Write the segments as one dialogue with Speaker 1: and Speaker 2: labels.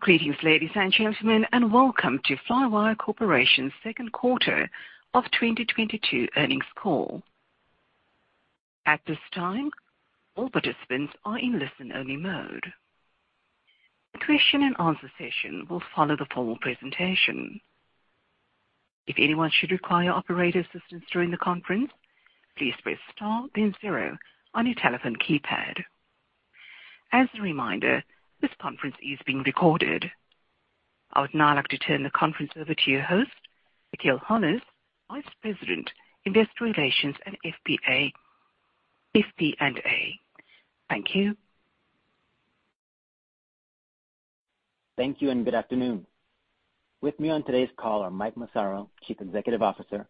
Speaker 1: Greetings, ladies and gentlemen, and welcome to Flywire Corporation's second quarter of 2022 earnings call. At this time, all participants are in listen-only mode. A question and answer session will follow the formal presentation. If anyone should require operator assistance during the conference, please press star then zero on your telephone keypad. As a reminder, this conference is being recorded. I would now like to turn the conference over to your host, Akil Hollis, Vice President, Investor Relations and FP&A. Thank you.
Speaker 2: Thank you, and good afternoon. With me on today's call are Mike Massaro, Chief Executive Officer,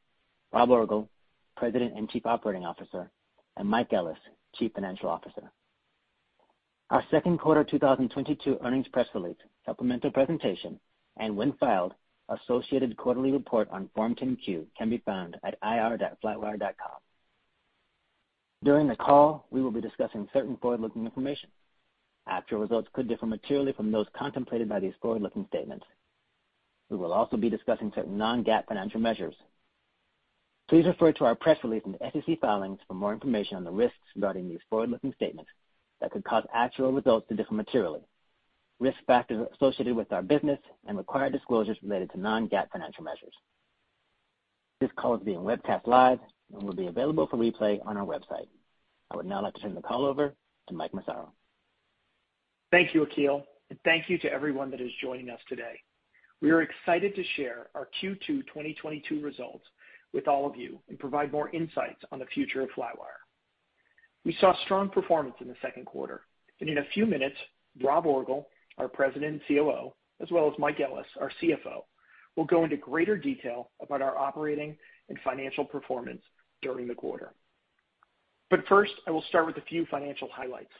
Speaker 2: Rob Orgel, President and Chief Operating Officer, and Mike Ellis, Chief Financial Officer. Our second quarter 2022 earnings press release, supplemental presentation, and when filed, associated quarterly report on Form 10-Q can be found at ir.flywire.com. During the call, we will be discussing certain forward-looking information. Actual results could differ materially from those contemplated by these forward-looking statements. We will also be discussing certain non-GAAP financial measures. Please refer to our press release and SEC filings for more information on the risks regarding these forward-looking statements that could cause actual results to differ materially, risk factors associated with our business, and required disclosures related to non-GAAP financial measures. This call is being webcast live and will be available for replay on our website. I would now like to turn the call over to Mike Massaro.
Speaker 3: Thank you, Akil, and thank you to everyone that is joining us today. We are excited to share our Q2 2022 results with all of you and provide more insights on the future of Flywire. We saw strong performance in the second quarter, and in a few minutes, Rob Orgel, our President and COO, as well as Mike Ellis, our CFO, will go into greater detail about our operating and financial performance during the quarter. First, I will start with a few financial highlights.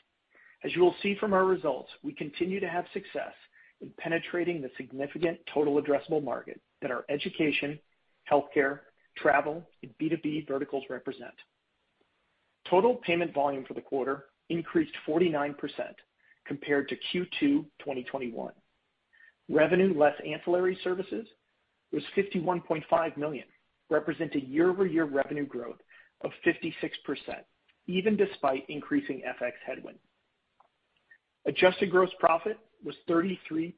Speaker 3: As you will see from our results, we continue to have success in penetrating the significant total addressable market that our education, healthcare, travel, and B2B verticals represent. Total payment volume for the quarter increased 49% compared to Q2 2021. Revenue less ancillary services was $51.5 million, representing year-over-year revenue growth of 56%, even despite increasing FX headwind. Adjusted gross profit was $33.2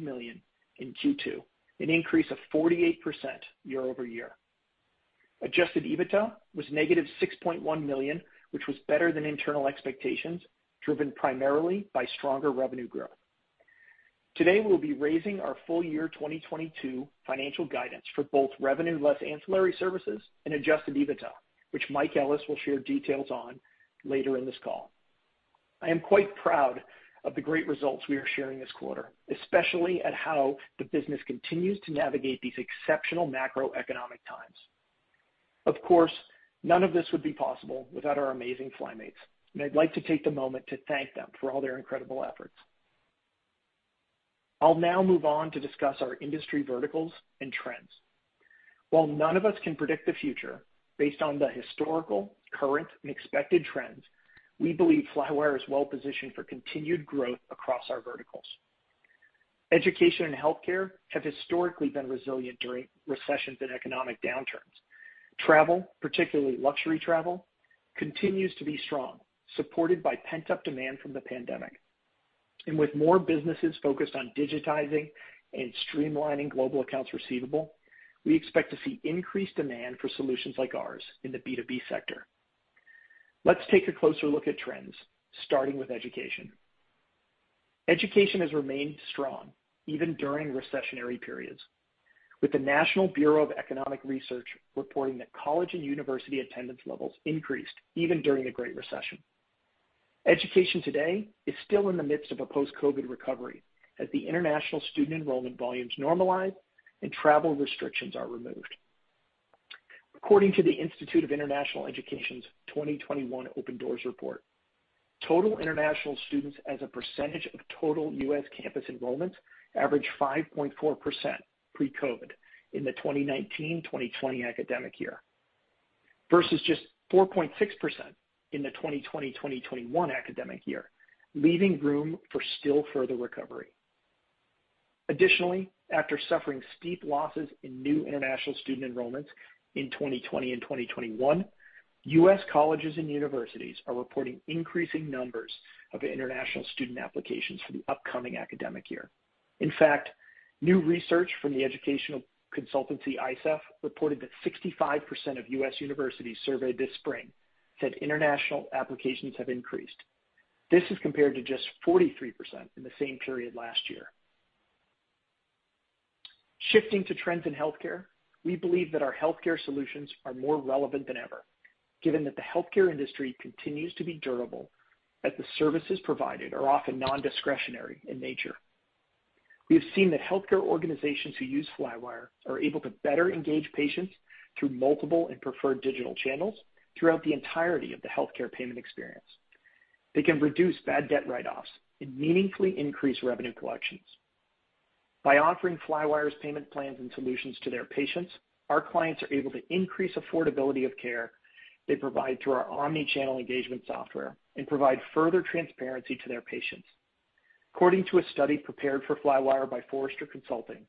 Speaker 3: million in Q2, an increase of 48% year-over-year. Adjusted EBITDA was -$6.1 million, which was better than internal expectations, driven primarily by stronger revenue growth. Today, we'll be raising our full year 2022 financial guidance for both revenue less ancillary services and adjusted EBITDA, which Mike Ellis will share details on later in this call. I am quite proud of the great results we are sharing this quarter, especially at how the business continues to navigate these exceptional macroeconomic times. Of course, none of this would be possible without our amazing FlyMates, and I'd like to take the moment to thank them for all their incredible efforts. I'll now move on to discuss our industry verticals and trends. While none of us can predict the future based on the historical, current, and expected trends, we believe Flywire is well-positioned for continued growth across our verticals. Education and healthcare have historically been resilient during recessions and economic downturns. Travel, particularly luxury travel, continues to be strong, supported by pent-up demand from the pandemic. With more businesses focused on digitizing and streamlining global accounts receivable, we expect to see increased demand for solutions like ours in the B2B sector. Let's take a closer look at trends, starting with education. Education has remained strong even during recessionary periods, with the National Bureau of Economic Research reporting that college and university attendance levels increased even during the Great Recession. Education today is still in the midst of a post-COVID recovery as the international student enrollment volumes normalize and travel restrictions are removed. According to the Institute of International Education's 2021 Open Doors report, total international students as a percentage of total U.S. campus enrollments averaged 5.4% pre-COVID in the 2019-2020 academic year versus just 4.6% in the 2020-2021 academic year, leaving room for still further recovery. Additionally, after suffering steep losses in new international student enrollments in 2020 and 2021, U.S. colleges and universities are reporting increasing numbers of international student applications for the upcoming academic year. In fact, new research from the educational consultancy ICEF reported that 65% of US universities surveyed this spring said international applications have increased. This is compared to just 43% in the same period last year. Shifting to trends in healthcare. We believe that our healthcare solutions are more relevant than ever, given that the healthcare industry continues to be durable as the services provided are often non-discretionary in nature. We have seen that healthcare organizations who use Flywire are able to better engage patients through multiple and preferred digital channels throughout the entirety of the healthcare payment experience. They can reduce bad debt write-offs and meaningfully increase revenue collections. By offering Flywire's payment plans and solutions to their patients, our clients are able to increase affordability of care they provide through our omni-channel engagement software and provide further transparency to their patients. According to a study prepared for Flywire by Forrester Consulting,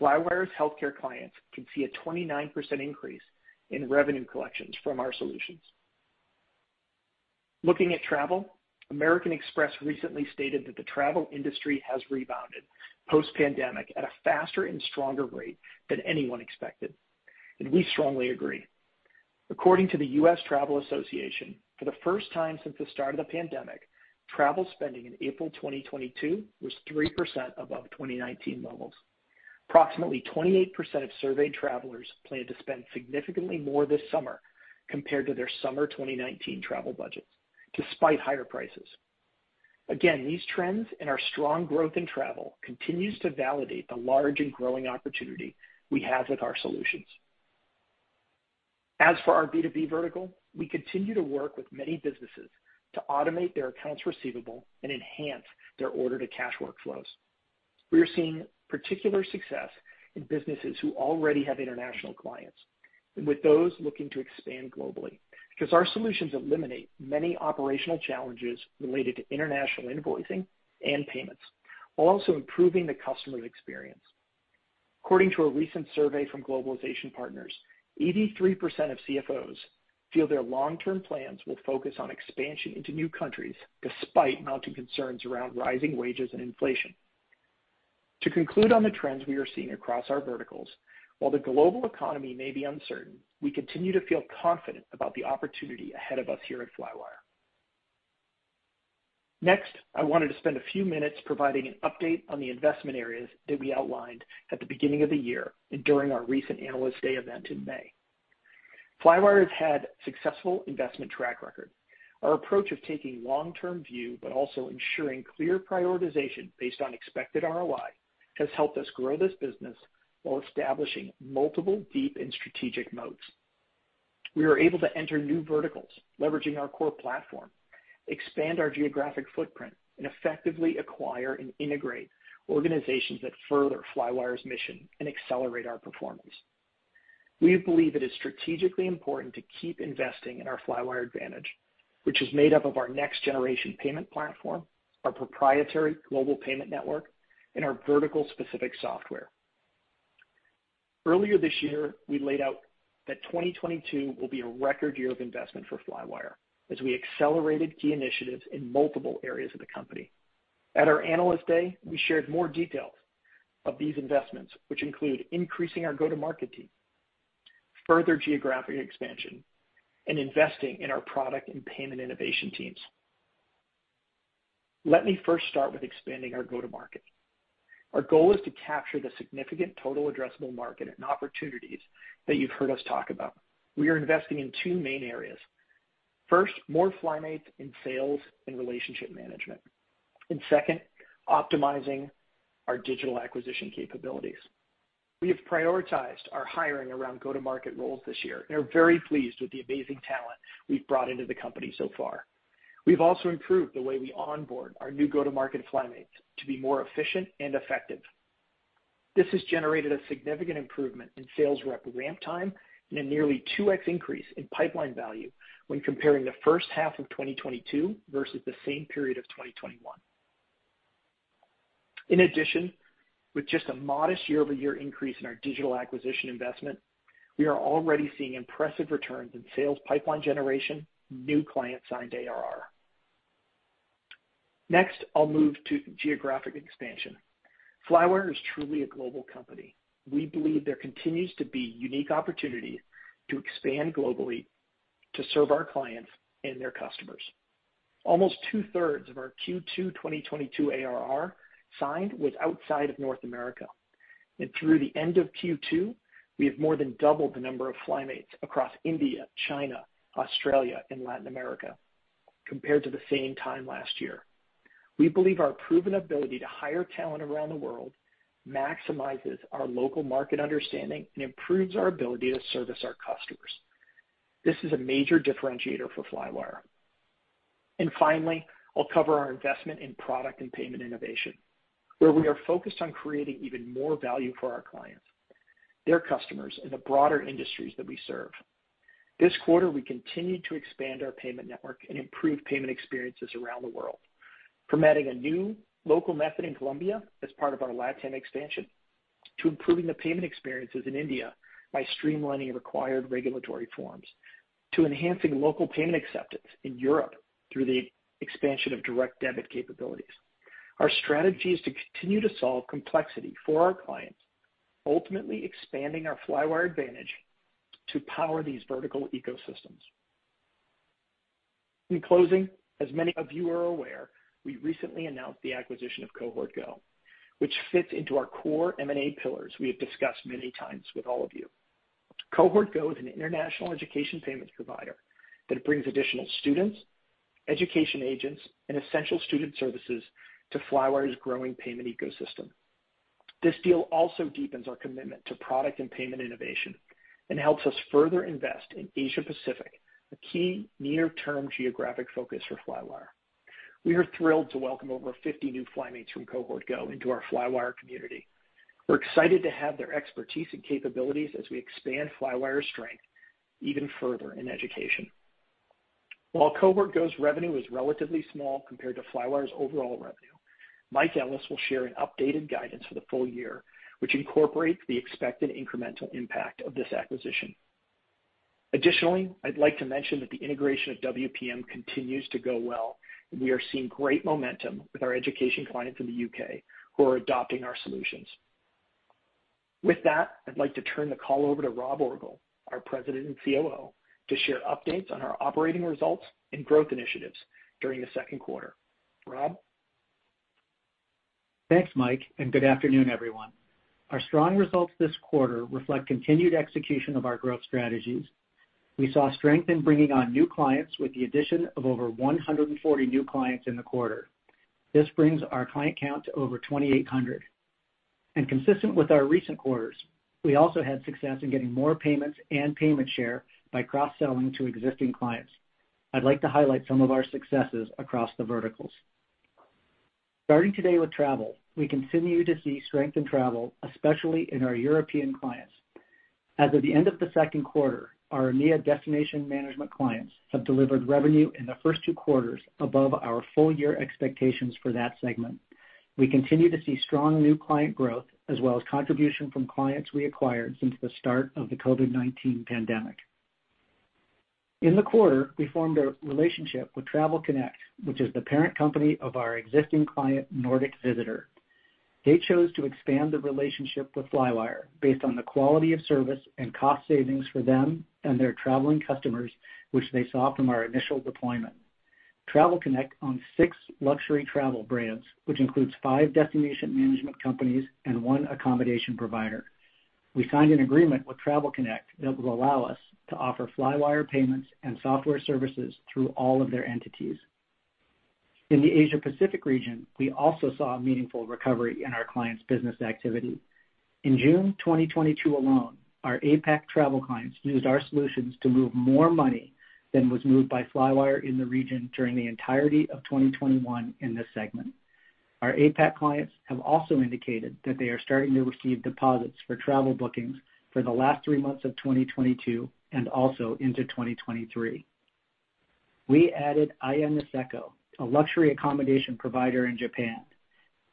Speaker 3: Flywire's healthcare clients can see a 29% increase in revenue collections from our solutions. Looking at travel, American Express recently stated that the travel industry has rebounded post-pandemic at a faster and stronger rate than anyone expected, and we strongly agree. According to the U.S. Travel Association, for the first time since the start of the pandemic, travel spending in April 2022 was 3% above 2019 levels. Approximately 28% of surveyed travelers plan to spend significantly more this summer compared to their summer 2019 travel budgets, despite higher prices. Again, these trends and our strong growth in travel continues to validate the large and growing opportunity we have with our solutions. As for our B2B vertical, we continue to work with many businesses to automate their accounts receivable and enhance their order-to-cash workflows. We are seeing particular success in businesses who already have international clients and with those looking to expand globally, because our solutions eliminate many operational challenges related to international invoicing and payments, while also improving the customer experience. According to a recent survey from Globalization Partners, 83% of CFOs feel their long-term plans will focus on expansion into new countries despite mounting concerns around rising wages and inflation. To conclude on the trends we are seeing across our verticals, while the global economy may be uncertain, we continue to feel confident about the opportunity ahead of us here at Flywire. Next, I wanted to spend a few minutes providing an update on the investment areas that we outlined at the beginning of the year and during our recent Analyst Day event in May. Flywire has had successful investment track record. Our approach of taking long-term view, but also ensuring clear prioritization based on expected ROI, has helped us grow this business while establishing multiple deep and strategic moats. We are able to enter new verticals leveraging our core platform, expand our geographic footprint, and effectively acquire and integrate organizations that further Flywire's mission and accelerate our performance. We believe it is strategically important to keep investing in our Flywire advantage, which is made up of our next-generation payment platform, our proprietary global payment network, and our vertical-specific software. Earlier this year, we laid out that 2022 will be a record year of investment for Flywire as we accelerated key initiatives in multiple areas of the company. At our Analyst Day, we shared more details of these investments, which include increasing our go-to-market team, further geographic expansion, and investing in our product and payment innovation teams. Let me first start with expanding our go-to-market. Our goal is to capture the significant total addressable market and opportunities that you've heard us talk about. We are investing in two main areas. First, more FlyMates in sales and relationship management, and second, optimizing our digital acquisition capabilities. We have prioritized our hiring around go-to-market roles this year and are very pleased with the amazing talent we've brought into the company so far. We've also improved the way we onboard our new go-to-market FlyMates to be more efficient and effective. This has generated a significant improvement in sales rep ramp time and a nearly 2x increase in pipeline value when comparing the first half of 2022 versus the same period of 2021. In addition, with just a modest year-over-year increase in our digital acquisition investment, we are already seeing impressive returns in sales pipeline generation, new client-signed ARR. Next, I'll move to geographic expansion. Flywire is truly a global company. We believe there continues to be unique opportunity to expand globally to serve our clients and their customers. Almost two-thirds of our Q2 2022 ARR signed was outside of North America. Through the end of Q2, we have more than doubled the number of FlyMates across India, China, Australia, and Latin America compared to the same time last year. We believe our proven ability to hire talent around the world maximizes our local market understanding and improves our ability to service our customers. This is a major differentiator for Flywire. Finally, I'll cover our investment in product and payment innovation, where we are focused on creating even more value for our clients, their customers, and the broader industries that we serve. This quarter, we continued to expand our payment network and improve payment experiences around the world. From adding a new local method in Colombia as part of our LatAm expansion, to improving the payment experiences in India by streamlining required regulatory forms, to enhancing local payment acceptance in Europe through the expansion of direct debit capabilities. Our strategy is to continue to solve complexity for our clients, ultimately expanding our Flywire advantage to power these vertical ecosystems. In closing, as many of you are aware, we recently announced the acquisition of Cohort Go, which fits into our core M&A pillars we have discussed many times with all of you. Cohort Go is an international education payments provider that brings additional students, education agents, and essential student services to Flywire's growing payment ecosystem. This deal also deepens our commitment to product and payment innovation and helps us further invest in Asia-Pacific, a key near-term geographic focus for Flywire. We are thrilled to welcome over 50 new FlyMates from Cohort Go into our Flywire community. We're excited to have their expertise and capabilities as we expand Flywire's strength even further in education. While Cohort Go's revenue is relatively small compared to Flywire's overall revenue, Mike Ellis will share an updated guidance for the full year, which incorporates the expected incremental impact of this acquisition. Additionally, I'd like to mention that the integration of WPM continues to go well, and we are seeing great momentum with our education clients in the U.K. who are adopting our solutions. With that, I'd like to turn the call over to Rob Orgel, our President and COO, to share updates on our operating results and growth initiatives during the second quarter. Rob?
Speaker 4: Thanks, Mike, and good afternoon, everyone. Our strong results this quarter reflect continued execution of our growth strategies. We saw strength in bringing on new clients with the addition of over 140 new clients in the quarter. This brings our client count to over 2,800. Consistent with our recent quarters, we also had success in getting more payments and payment share by cross-selling to existing clients. I'd like to highlight some of our successes across the verticals. Starting today with travel, we continue to see strength in travel, especially in our European clients. As of the end of the second quarter, our EMEA destination management clients have delivered revenue in the first two quarters above our full-year expectations for that segment. We continue to see strong new client growth as well as contribution from clients we acquired since the start of the COVID-19 pandemic. In the quarter, we formed a relationship with Travel Connect, which is the parent company of our existing client, Nordic Visitor. They chose to expand the relationship with Flywire based on the quality of service and cost savings for them and their traveling customers, which they saw from our initial deployment. Travel Connect owns six luxury travel brands, which includes five destination management companies and one accommodation provider. We signed an agreement with Travel Connect that will allow us to offer Flywire payments and software services through all of their entities. In the Asia Pacific region, we also saw a meaningful recovery in our clients' business activity. In June 2022 alone, our APAC travel clients used our solutions to move more money than was moved by Flywire in the region during the entirety of 2021 in this segment. Our APAC clients have also indicated that they are starting to receive deposits for travel bookings for the last three months of 2022 and also into 2023. We added AYA Niseko, a luxury accommodation provider in Japan.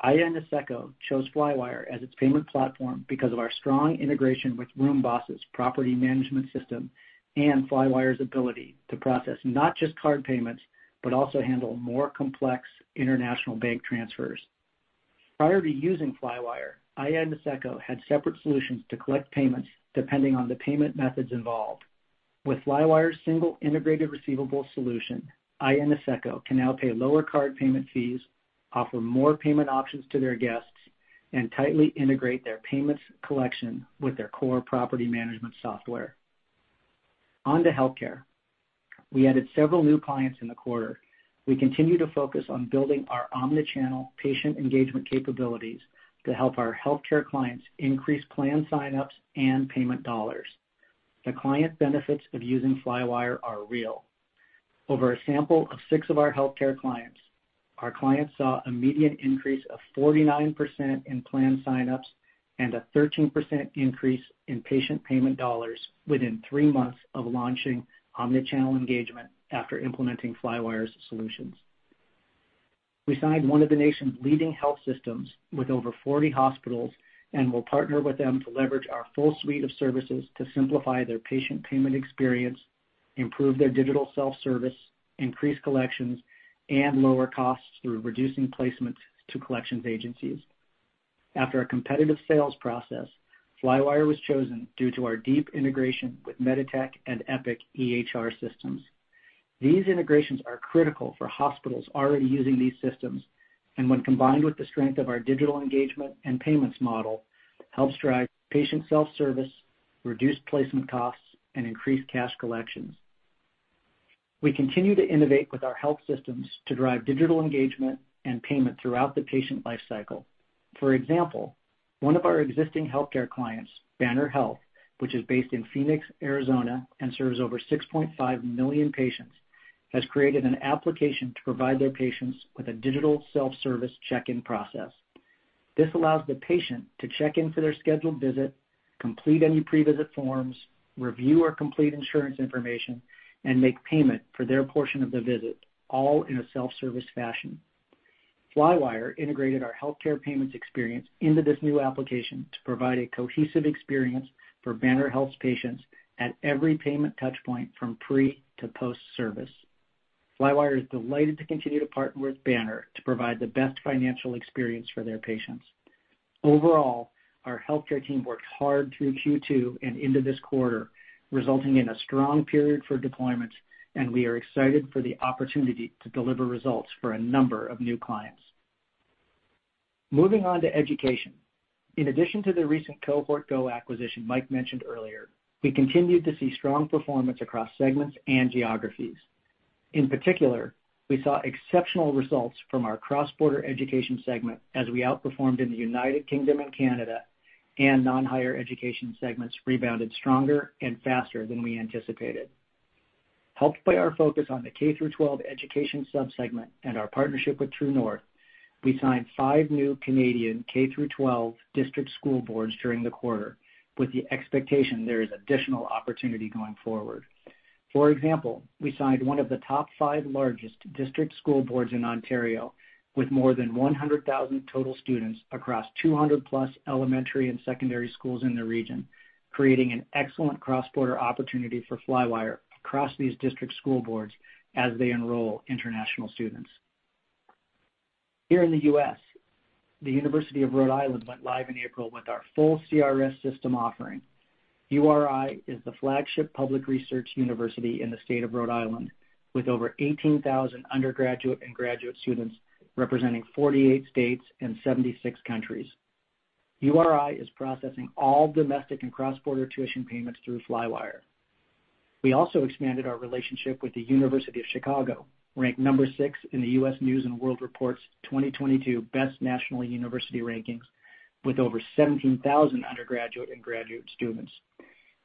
Speaker 4: AYA Niseko chose Flywire as its payment platform because of our strong integration with RoomBoss's property management system and Flywire's ability to process not just card payments, but also handle more complex international bank transfers. Prior to using Flywire, AYA Niseko had separate solutions to collect payments depending on the payment methods involved. With Flywire's single integrated receivable solution, AYA Niseko can now pay lower card payment fees, offer more payment options to their guests, and tightly integrate their payments collection with their core property management software. On to healthcare. We added several new clients in the quarter. We continue to focus on building our omni-channel patient engagement capabilities to help our healthcare clients increase plan sign-ups and payment dollars. The client benefits of using Flywire are real. Over a sample of six of our healthcare clients, our clients saw immediate increase of 49% in plan sign-ups and a 13% increase in patient payment dollars within three months of launching omni-channel engagement after implementing Flywire's solutions. We signed one of the nation's leading health systems with over 40 hospitals and will partner with them to leverage our full suite of services to simplify their patient payment experience, improve their digital self-service, increase collections, and lower costs through reducing placements to collections agencies. After a competitive sales process, Flywire was chosen due to our deep integration with MEDITECH and Epic EHR systems. These integrations are critical for hospitals already using these systems, and when combined with the strength of our digital engagement and payments model, helps drive patient self-service, reduced placement costs, and increased cash collections. We continue to innovate with our health systems to drive digital engagement and payment throughout the patient life cycle. For example, one of our existing healthcare clients, Banner Health, which is based in Phoenix, Arizona, and serves over 6.5 million patients, has created an application to provide their patients with a digital self-service check-in process. This allows the patient to check in for their scheduled visit, complete any pre-visit forms, review or complete insurance information, and make payment for their portion of the visit, all in a self-service fashion. Flywire integrated our healthcare payments experience into this new application to provide a cohesive experience for Banner Health's patients at every payment touchpoint from pre to post-service. Flywire is delighted to continue to partner with Banner to provide the best financial experience for their patients. Overall, our healthcare team worked hard through Q2 and into this quarter, resulting in a strong period for deployments, and we are excited for the opportunity to deliver results for a number of new clients. Moving on to education. In addition to the recent Cohort Go acquisition Mike mentioned earlier, we continued to see strong performance across segments and geographies. In particular, we saw exceptional results from our cross-border education segment as we outperformed in the United Kingdom and Canada. Non-higher education segments rebounded stronger and faster than we anticipated. Helped by our focus on the K-12 education sub-segment and our partnership with TRUE North, we signed ive new Canadian K-12 district school boards during the quarter, with the expectation there is additional opportunity going forward. For example, we signed one of the top 5 largest district school boards in Ontario with more than 100,000 total students across 200+ elementary and secondary schools in the region, creating an excellent cross-border ofpportunity for Flywire across these district school boards as they enroll international students. Here in the U.S., the University of Rhode Island went live in April with our full CRS system offering. URI is the flagship public research university in the state of Rhode Island, with over 18,000 undergraduate and graduate students representing 48 states and 76 countries. URI is processing all domestic and cross-border tuition payments through Flywire. We also expanded our relationship with the University of Chicago, ranked 6 in the U.S. News & World Report's 2022 Best National University rankings, with over 17,000 undergraduate and graduate students.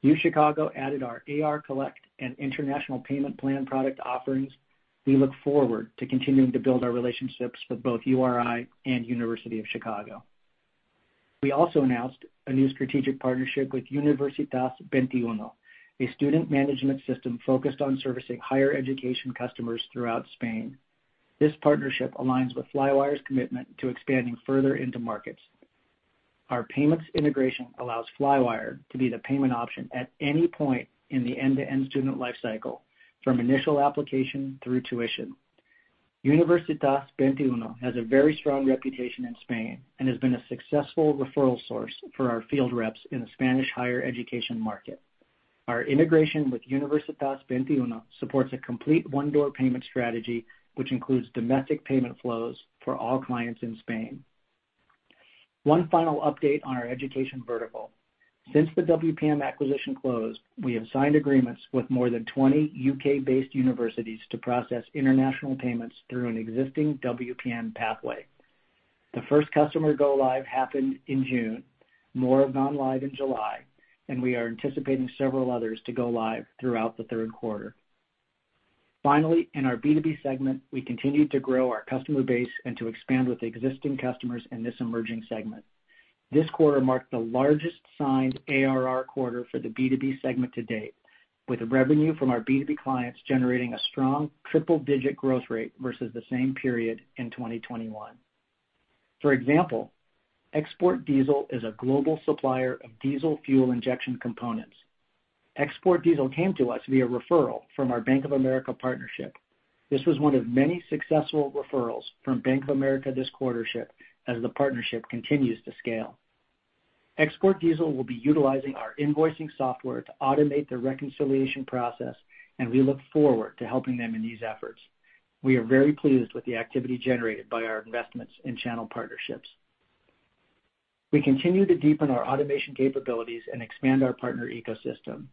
Speaker 4: UChicago added our A/R Collect and international payment plan product offerings. We look forward to continuing to build our relationships with both URI and University of Chicago. We also announced a new strategic partnership with Universitas XXI, a student management system focused on servicing higher education customers throughout Spain. This partnership aligns with Flywire's commitment to expanding further into markets. Our payments integration allows Flywire to be the payment option at any point in the end-to-end student life cycle, from initial application through tuition. Universitas XXI has a very strong reputation in Spain and has been a successful referral source for our field reps in the Spanish higher education market. Our integration with Universitas XXI supports a complete one-door payment strategy, which includes domestic payment flows for all clients in Spain. One final update on our education vertical. Since the WPM acquisition closed, we have signed agreements with more than 20 U.K.-based universities to process international payments through an existing WPM pathway. The first customer go live happened in June. More have gone live in July, and we are anticipating several others to go live throughout the third quarter. Finally, in our B2B segment, we continued to grow our customer base and to expand with existing customers in this emerging segment. This quarter marked the largest signed ARR quarter for the B2B segment to date, with revenue from our B2B clients generating a strong triple-digit growth rate versus the same period in 2021. For example, Export Diesel is a global supplier of diesel fuel injection components. Export Diesel came to us via referral from our Bank of America partnership. This was one of many successful referrals from Bank of America this quarter, as the partnership continues to scale. Export Diesel will be utilizing our invoicing software to automate the reconciliation process, and we look forward to helping them in these efforts. We are very pleased with the activity generated by our investments in channel partnerships. We continue to deepen our automation capabilities and expand our partner ecosystem.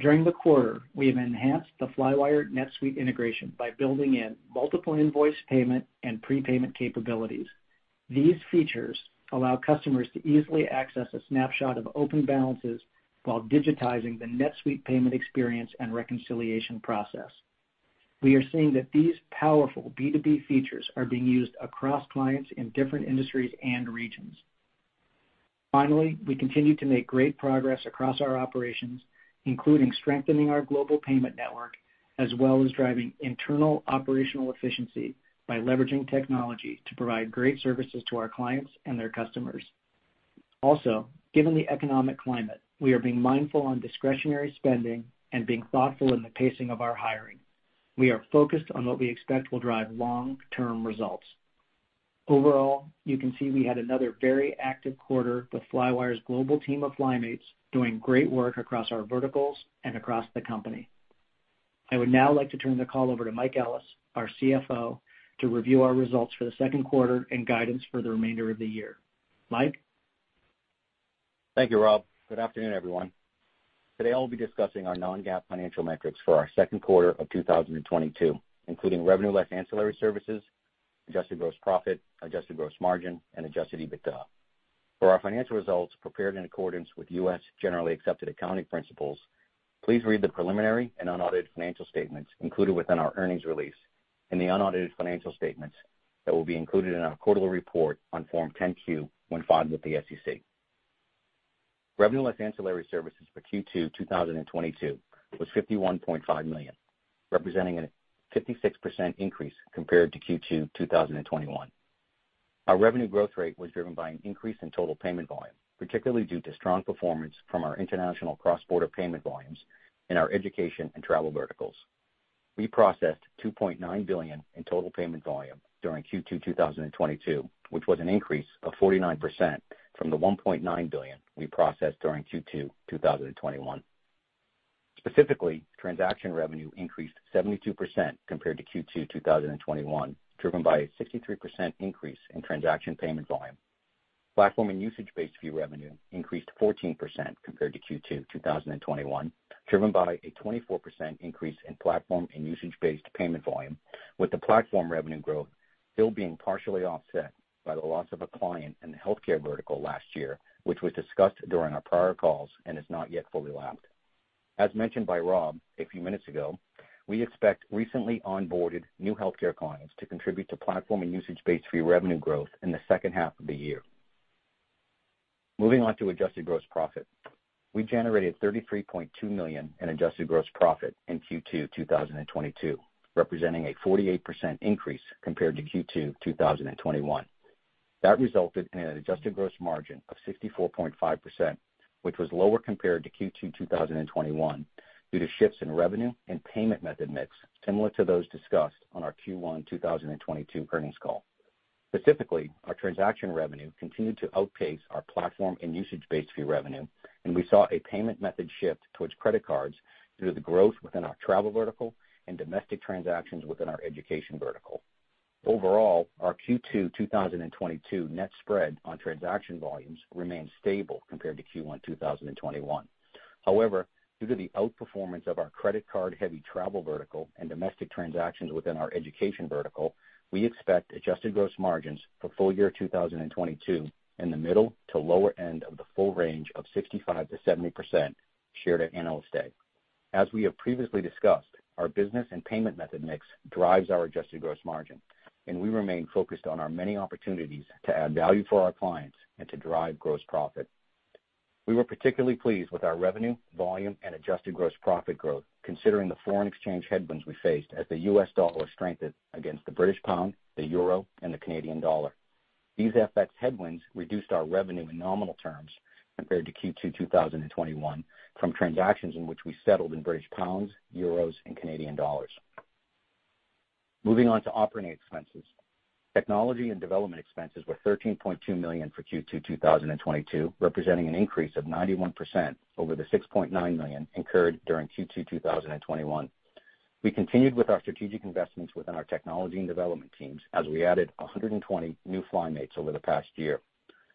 Speaker 4: During the quarter, we have enhanced the Flywire NetSuite integration by building in multiple invoice payment and prepayment capabilities. These features allow customers to easily access a snapshot of open balances while digitizing the NetSuite payment experience and reconciliation process. We are seeing that these powerful B2B features are being used across clients in different industries and regions. Finally, we continue to make great progress across our operations, including strengthening our global payment network, as well as driving internal operational efficiency by leveraging technology to provide great services to our clients and their customers. Also, given the economic climate, we are being mindful on discretionary spending and being thoughtful in the pacing of our hiring. We are focused on what we expect will drive long-term results. Overall, you can see we had another very active quarter with Flywire's global team of FlyMates doing great work across our verticals and across the company. I would now like to turn the call over to Mike Ellis, our CFO, to review our results for the second quarter and guidance for the remainder of the year. Mike?
Speaker 5: Thank you, Rob. Good afternoon, everyone. Today, I'll be discussing our non-GAAP financial metrics for our second quarter of 2022, including revenue less ancillary services, adjusted gross profit, adjusted gross margin, and adjusted EBITDA. For our financial results prepared in accordance with U.S. generally accepted accounting principles, please read the preliminary and unaudited financial statements included within our earnings release and the unaudited financial statements that will be included in our quarterly report on Form 10-Q, when filed with the SEC. Revenue less ancillary services for Q2 2022 was $51.5 million, representing a 56% increase compared to Q2 2021. Our revenue growth rate was driven by an increase in total payment volume, particularly due to strong performance from our international cross-border payment volumes in our education and travel verticals. We processed $2.9 billion in total payment volume during Q2 2022, which was an increase of 49% from the $1.9 billion we processed during Q2 2021. Specifically, transaction revenue increased 72% compared to Q2 2021, driven by a 63% increase in transaction payment volume. Platform and usage-based fee revenue increased 14% compared to Q2 2021, driven by a 24% increase in platform and usage-based payment volume, with the platform revenue growth still being partially offset by the loss of a client in the healthcare vertical last year, which was discussed during our prior calls and is not yet fully lapped. As mentioned by Rob a few minutes ago, we expect recently onboarded new healthcare clients to contribute to platform and usage-based fee revenue growth in the second half of the year. Moving on to adjusted gross profit. We generated $33.2 million in adjusted gross profit in Q2 2022, representing a 48% increase compared to Q2 2021. That resulted in an adjusted gross margin of 64.5%, which was lower compared to Q2-2021 due to shifts in revenue and payment method mix similar to those discussed on our Q1-2022 earnings call. Specifically, our transaction revenue continued to outpace our platform and usage-based fee revenue, and we saw a payment method shift towards credit cards due to the growth within our travel vertical and domestic transactions within our education vertical. Overall, our Q2-2022 net spread on transaction volumes remained stable compared to Q1-2021. However, due to the outperformance of our credit card-heavy travel vertical and domestic transactions within our education vertical, we expect adjusted gross margins for full year 2022 in the middle to lower end of the full range of 65%-70% shared at Analyst Day. As we have previously discussed, our business and payment method mix drives our adjusted gross margin, and we remain focused on our many opportunities to add value for our clients and to drive gross profit. We were particularly pleased with our revenue, volume, and adjusted gross profit growth considering the foreign exchange headwinds we faced as the US dollar strengthened against the British pound, the euro, and the Canadian dollar. These FX headwinds reduced our revenue in nominal terms compared to Q2-2021 from transactions in which we settled in British pounds, euros, and Canadian dollars. Moving on to operating expenses. Technology and development expenses were $13.2 million for Q2-2022, representing an increase of 91% over the $6.9 million incurred during Q2-2021. We continued with our strategic investments within our technology and development teams as we added 120 new FlyMates over the past year.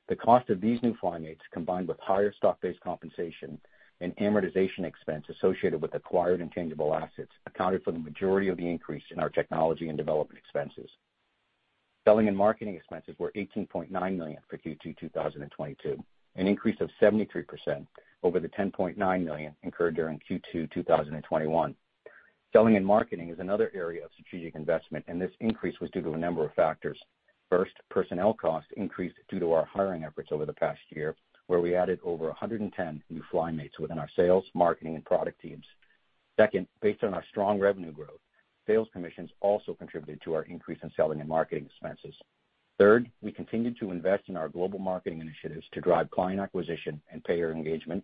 Speaker 5: The cost of these new FlyMates, combined with higher stock-based compensation and amortization expense associated with acquired intangible assets accounted for the majority of the increase in our technology and development expenses. Selling and marketing expenses were $18.9 million for Q2-2022, an increase of 73% over the $10.9 million incurred during Q2-2021. Selling and marketing is another area of strategic investment, and this increase was due to a number of factors. First, personnel costs increased due to our hiring efforts over the past year, where we added over 110 new FlyMates within our sales, marketing, and product teams. Second, based on our strong revenue growth, sales commissions also contributed to our increase in selling and marketing expenses. Third, we continued to invest in our global marketing initiatives to drive client acquisition and payer engagement.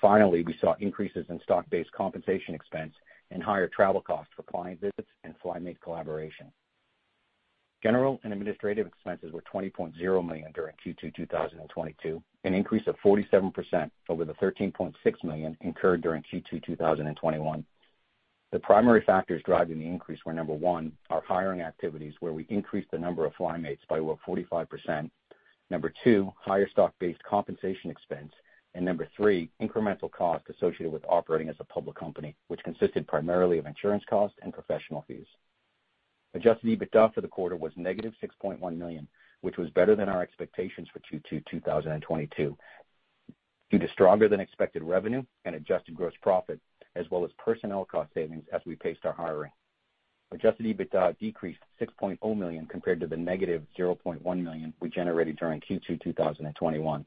Speaker 5: Finally, we saw increases in stock-based compensation expense and higher travel costs for client visits and FlyMates collaboration. General and administrative expenses were $20 million during Q2-2022, an increase of 47% over the $13.6 million incurred during Q2-2021. The primary factors driving the increase were, number one, our hiring activities, where we increased the number of FlyMates by over 45%. Number two, higher stock-based compensation expense. Number three, incremental costs associated with operating as a public company, which consisted primarily of insurance costs and professional fees. Adjusted EBITDA for the quarter was -$6.1 million, which was better than our expectations for Q2-2022 due to stronger than expected revenue and adjusted gross profit as well as personnel cost savings as we paced our hiring. Adjusted EBITDA decreased $6.0 million compared to the -$0.1 million we generated during Q2-2021.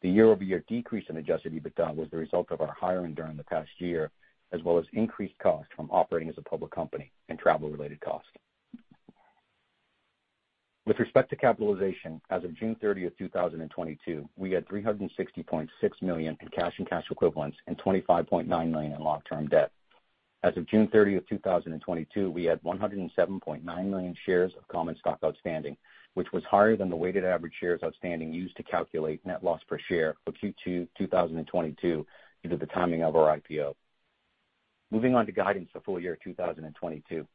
Speaker 5: The year-over-year decrease in adjusted EBITDA was the result of our hiring during the past year as well as increased costs from operating as a public company and travel-related costs. With respect to capitalization, as of June 30, 2022, we had $360.6 million in cash and cash equivalents and $25.9 million in long-term debt. As of June 30, 2022, we had 107.9 million shares of common stock outstanding, which was higher than the weighted average shares outstanding used to calculate net loss per share for Q2-2022 due to the timing of our IPO. Moving on to guidance for full year 2022.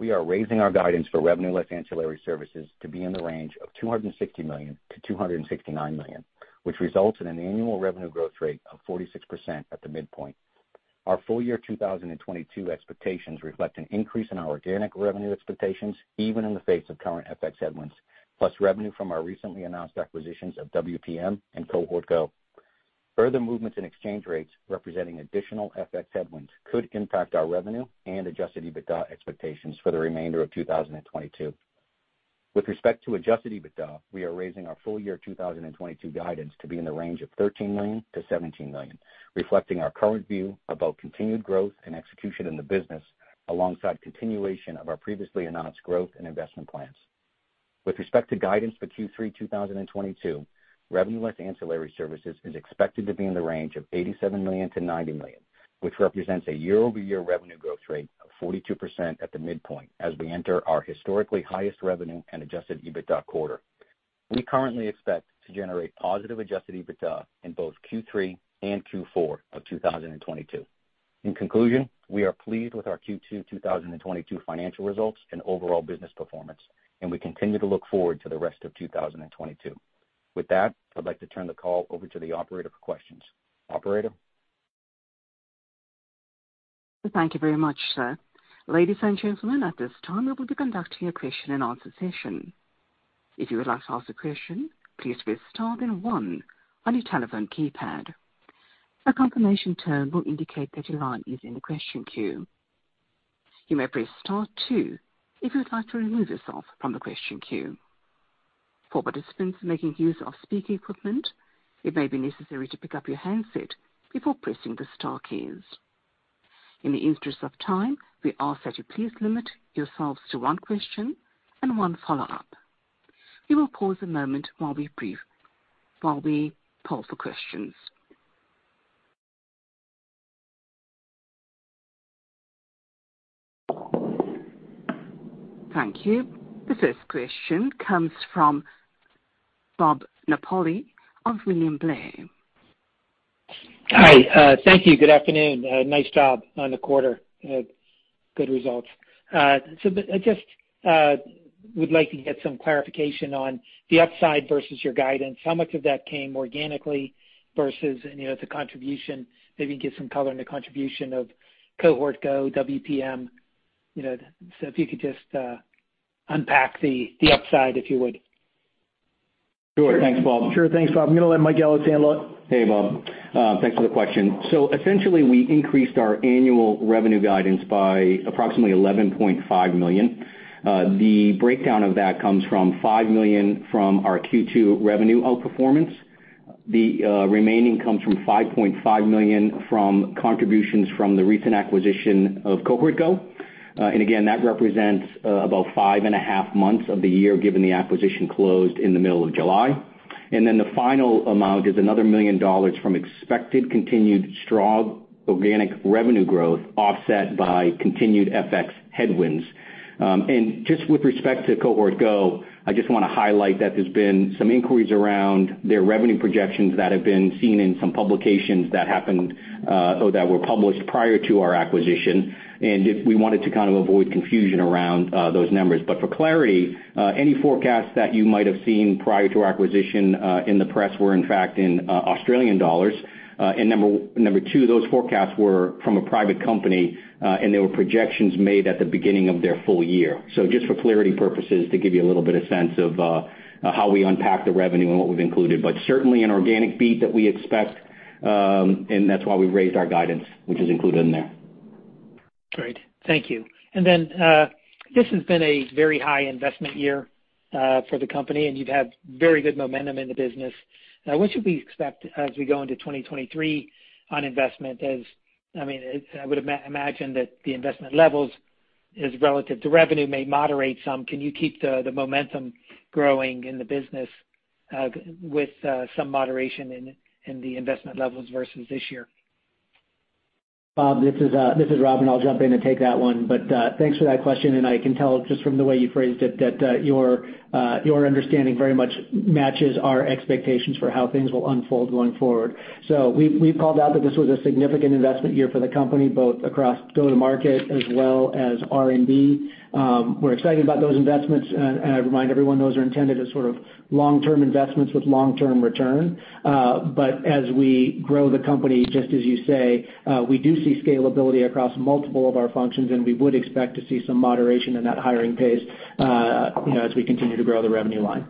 Speaker 5: We are raising our guidance for revenue less ancillary services to be in the range of $260 million-$269 million, which results in an annual revenue growth rate of 46% at the midpoint. Our full year 2022 expectations reflect an increase in our organic revenue expectations even in the face of current FX headwinds, plus revenue from our recently announced acquisitions of WPM and Cohort Go. Further movements in exchange rates representing additional FX headwinds could impact our revenue and adjusted EBITDA expectations for the remainder of 2022. With respect to adjusted EBITDA, we are raising our full year 2022 guidance to be in the range of $13 million-$17 million, reflecting our current view about continued growth and execution in the business alongside continuation of our previously announced growth and investment plans. With respect to guidance for Q3-2022, revenue less ancillary services is expected to be in the range of $87 million-$90 million, which represents a year-over-year revenue growth rate of 42% at the midpoint as we enter our historically highest revenue and adjusted EBITDA quarter. We currently expect to generate positive adjusted EBITDA in both Q3 and Q4 of 2022. In conclusion, we are pleased with our Q2-2022 financial results and overall business performance, and we continue to look forward to the rest of 2022. With that, I'd like to turn the call over to the operator for questions. Operator?
Speaker 1: Thank you very much, sir. Ladies and gentlemen, at this time we will be conducting a question and answer session. If you would like to ask a question, please press star then one on your telephone keypad. A confirmation tone will indicate that your line is in the question queue. You may press star two if you would like to remove yourself from the question queue. For participants making use of speaker equipment, it may be necessary to pick up your handset before pressing the star keys. In the interest of time, we ask that you please limit yourselves to one question and one follow-up. We will pause a moment while we poll for questions. Thank you. The first question comes from Bob Napoli of William Blair.
Speaker 6: Hi. Thank you. Good afternoon. Nice job on the quarter. Good results. I just would like to get some clarification on the upside versus your guidance. How much of that came organically versus, and you know, the contribution. Maybe give some color on the contribution of Cohort Go, WPM, you know. If you could just unpack the upside, if you would.
Speaker 5: Sure. Thanks, Bob.
Speaker 4: Sure. Thanks, Bob. I'm gonna let Mike Ellis handle it.
Speaker 5: Hey, Bob, thanks for the question. Essentially, we increased our annual revenue guidance by approximately $11.5 million. The breakdown of that comes from $5 million from our Q2 revenue outperformance. The remaining comes from $5.5 million from contributions from the recent acquisition of Cohort Go. Again, that represents about five and a half months of the year, given the acquisition closed in the middle of July. The final amount is another $1 million from expected continued strong organic revenue growth offset by continued FX headwinds. Just with respect to Cohort Go, I just wanna highlight that there's been some inquiries around their revenue projections that have been seen in some publications that happened or that were published prior to our acquisition. If we wanted to kind of avoid confusion around those numbers. For clarity, any forecasts that you might have seen prior to our acquisition in the press were in fact in Australian dollars. Number two, those forecasts were from a private company, and they were projections made at the beginning of their full year. Just for clarity purposes, to give you a little bit of sense of how we unpack the revenue and what we've included. Certainly an organic beat that we expect, and that's why we've raised our guidance, which is included in there.
Speaker 6: Great. Thank you. Then, this has been a very high investment year for the company, and you've had very good momentum in the business. Now, what should we expect as we go into 2023 on investment? I mean, as I would imagine that the investment levels as relative to revenue may moderate some. Can you keep the momentum growing in the business with some moderation in the investment levels versus this year?
Speaker 4: Bob, this is Rob, and I'll jump in and take that one. Thanks for that question, and I can tell just from the way you phrased it that your understanding very much matches our expectations for how things will unfold going forward. We've called out that this was a significant investment year for the company, both across go-to-market as well as R&D. We're excited about those investments. I remind everyone, those are intended as sort of long-term investments with long-term return. As we grow the company, just as you say, we do see scalability across multiple of our functions, and we would expect to see some moderation in that hiring pace, you know, as we continue to grow the revenue line.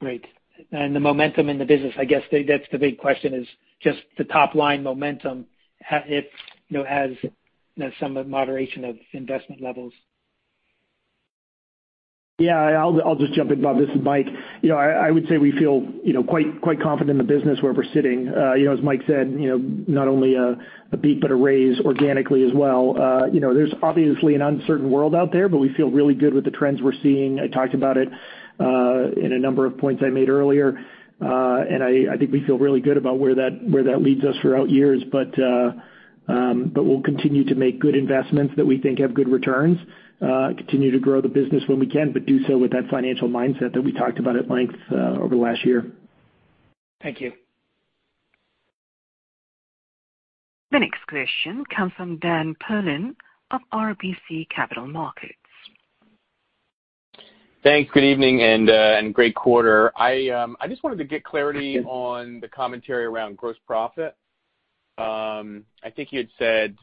Speaker 6: Great. The momentum in the business, I guess that's the big question, is just the top-line momentum, you know, some moderation of investment levels.
Speaker 5: Yeah, I'll just jump in, Bob. This is Mike. You know, I would say we feel, you know, quite confident in the business where we're sitting. You know, as Mike said, you know, not only a beat, but a raise organically as well. You know, there's obviously an uncertain world out there, but we feel really good with the trends we're seeing. I talked about it in a number of points I made earlier. I think we feel really good about where that leads us throughout years. We'll continue to make good investments that we think have good returns, continue to grow the business when we can, but do so with that financial mindset that we talked about at length over the last year.
Speaker 6: Thank you.
Speaker 1: The next question comes from Dan Perlin of RBC Capital Markets.
Speaker 7: Thanks. Good evening, and great quarter. I just wanted to get clarity on the commentary around gross profit. I think you had said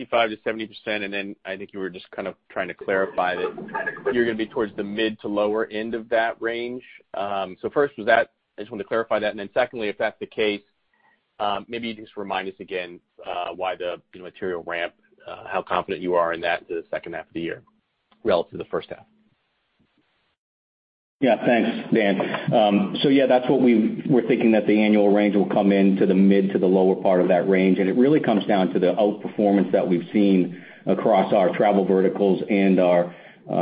Speaker 7: 65%-70%, and then I think you were just kind of trying to clarify that you're gonna be towards the mid to lower end of that range. So first, I just wanted to clarify that. Then secondly, if that's the case, maybe just remind us again, why the, you know, material ramp, how confident you are in that the second half of the year relative to the first half.
Speaker 5: Yeah. Thanks, Dan. That's what we're thinking that the annual range will come in to the mid- to lower part of that range. It really comes down to the outperformance that we've seen across our travel verticals and our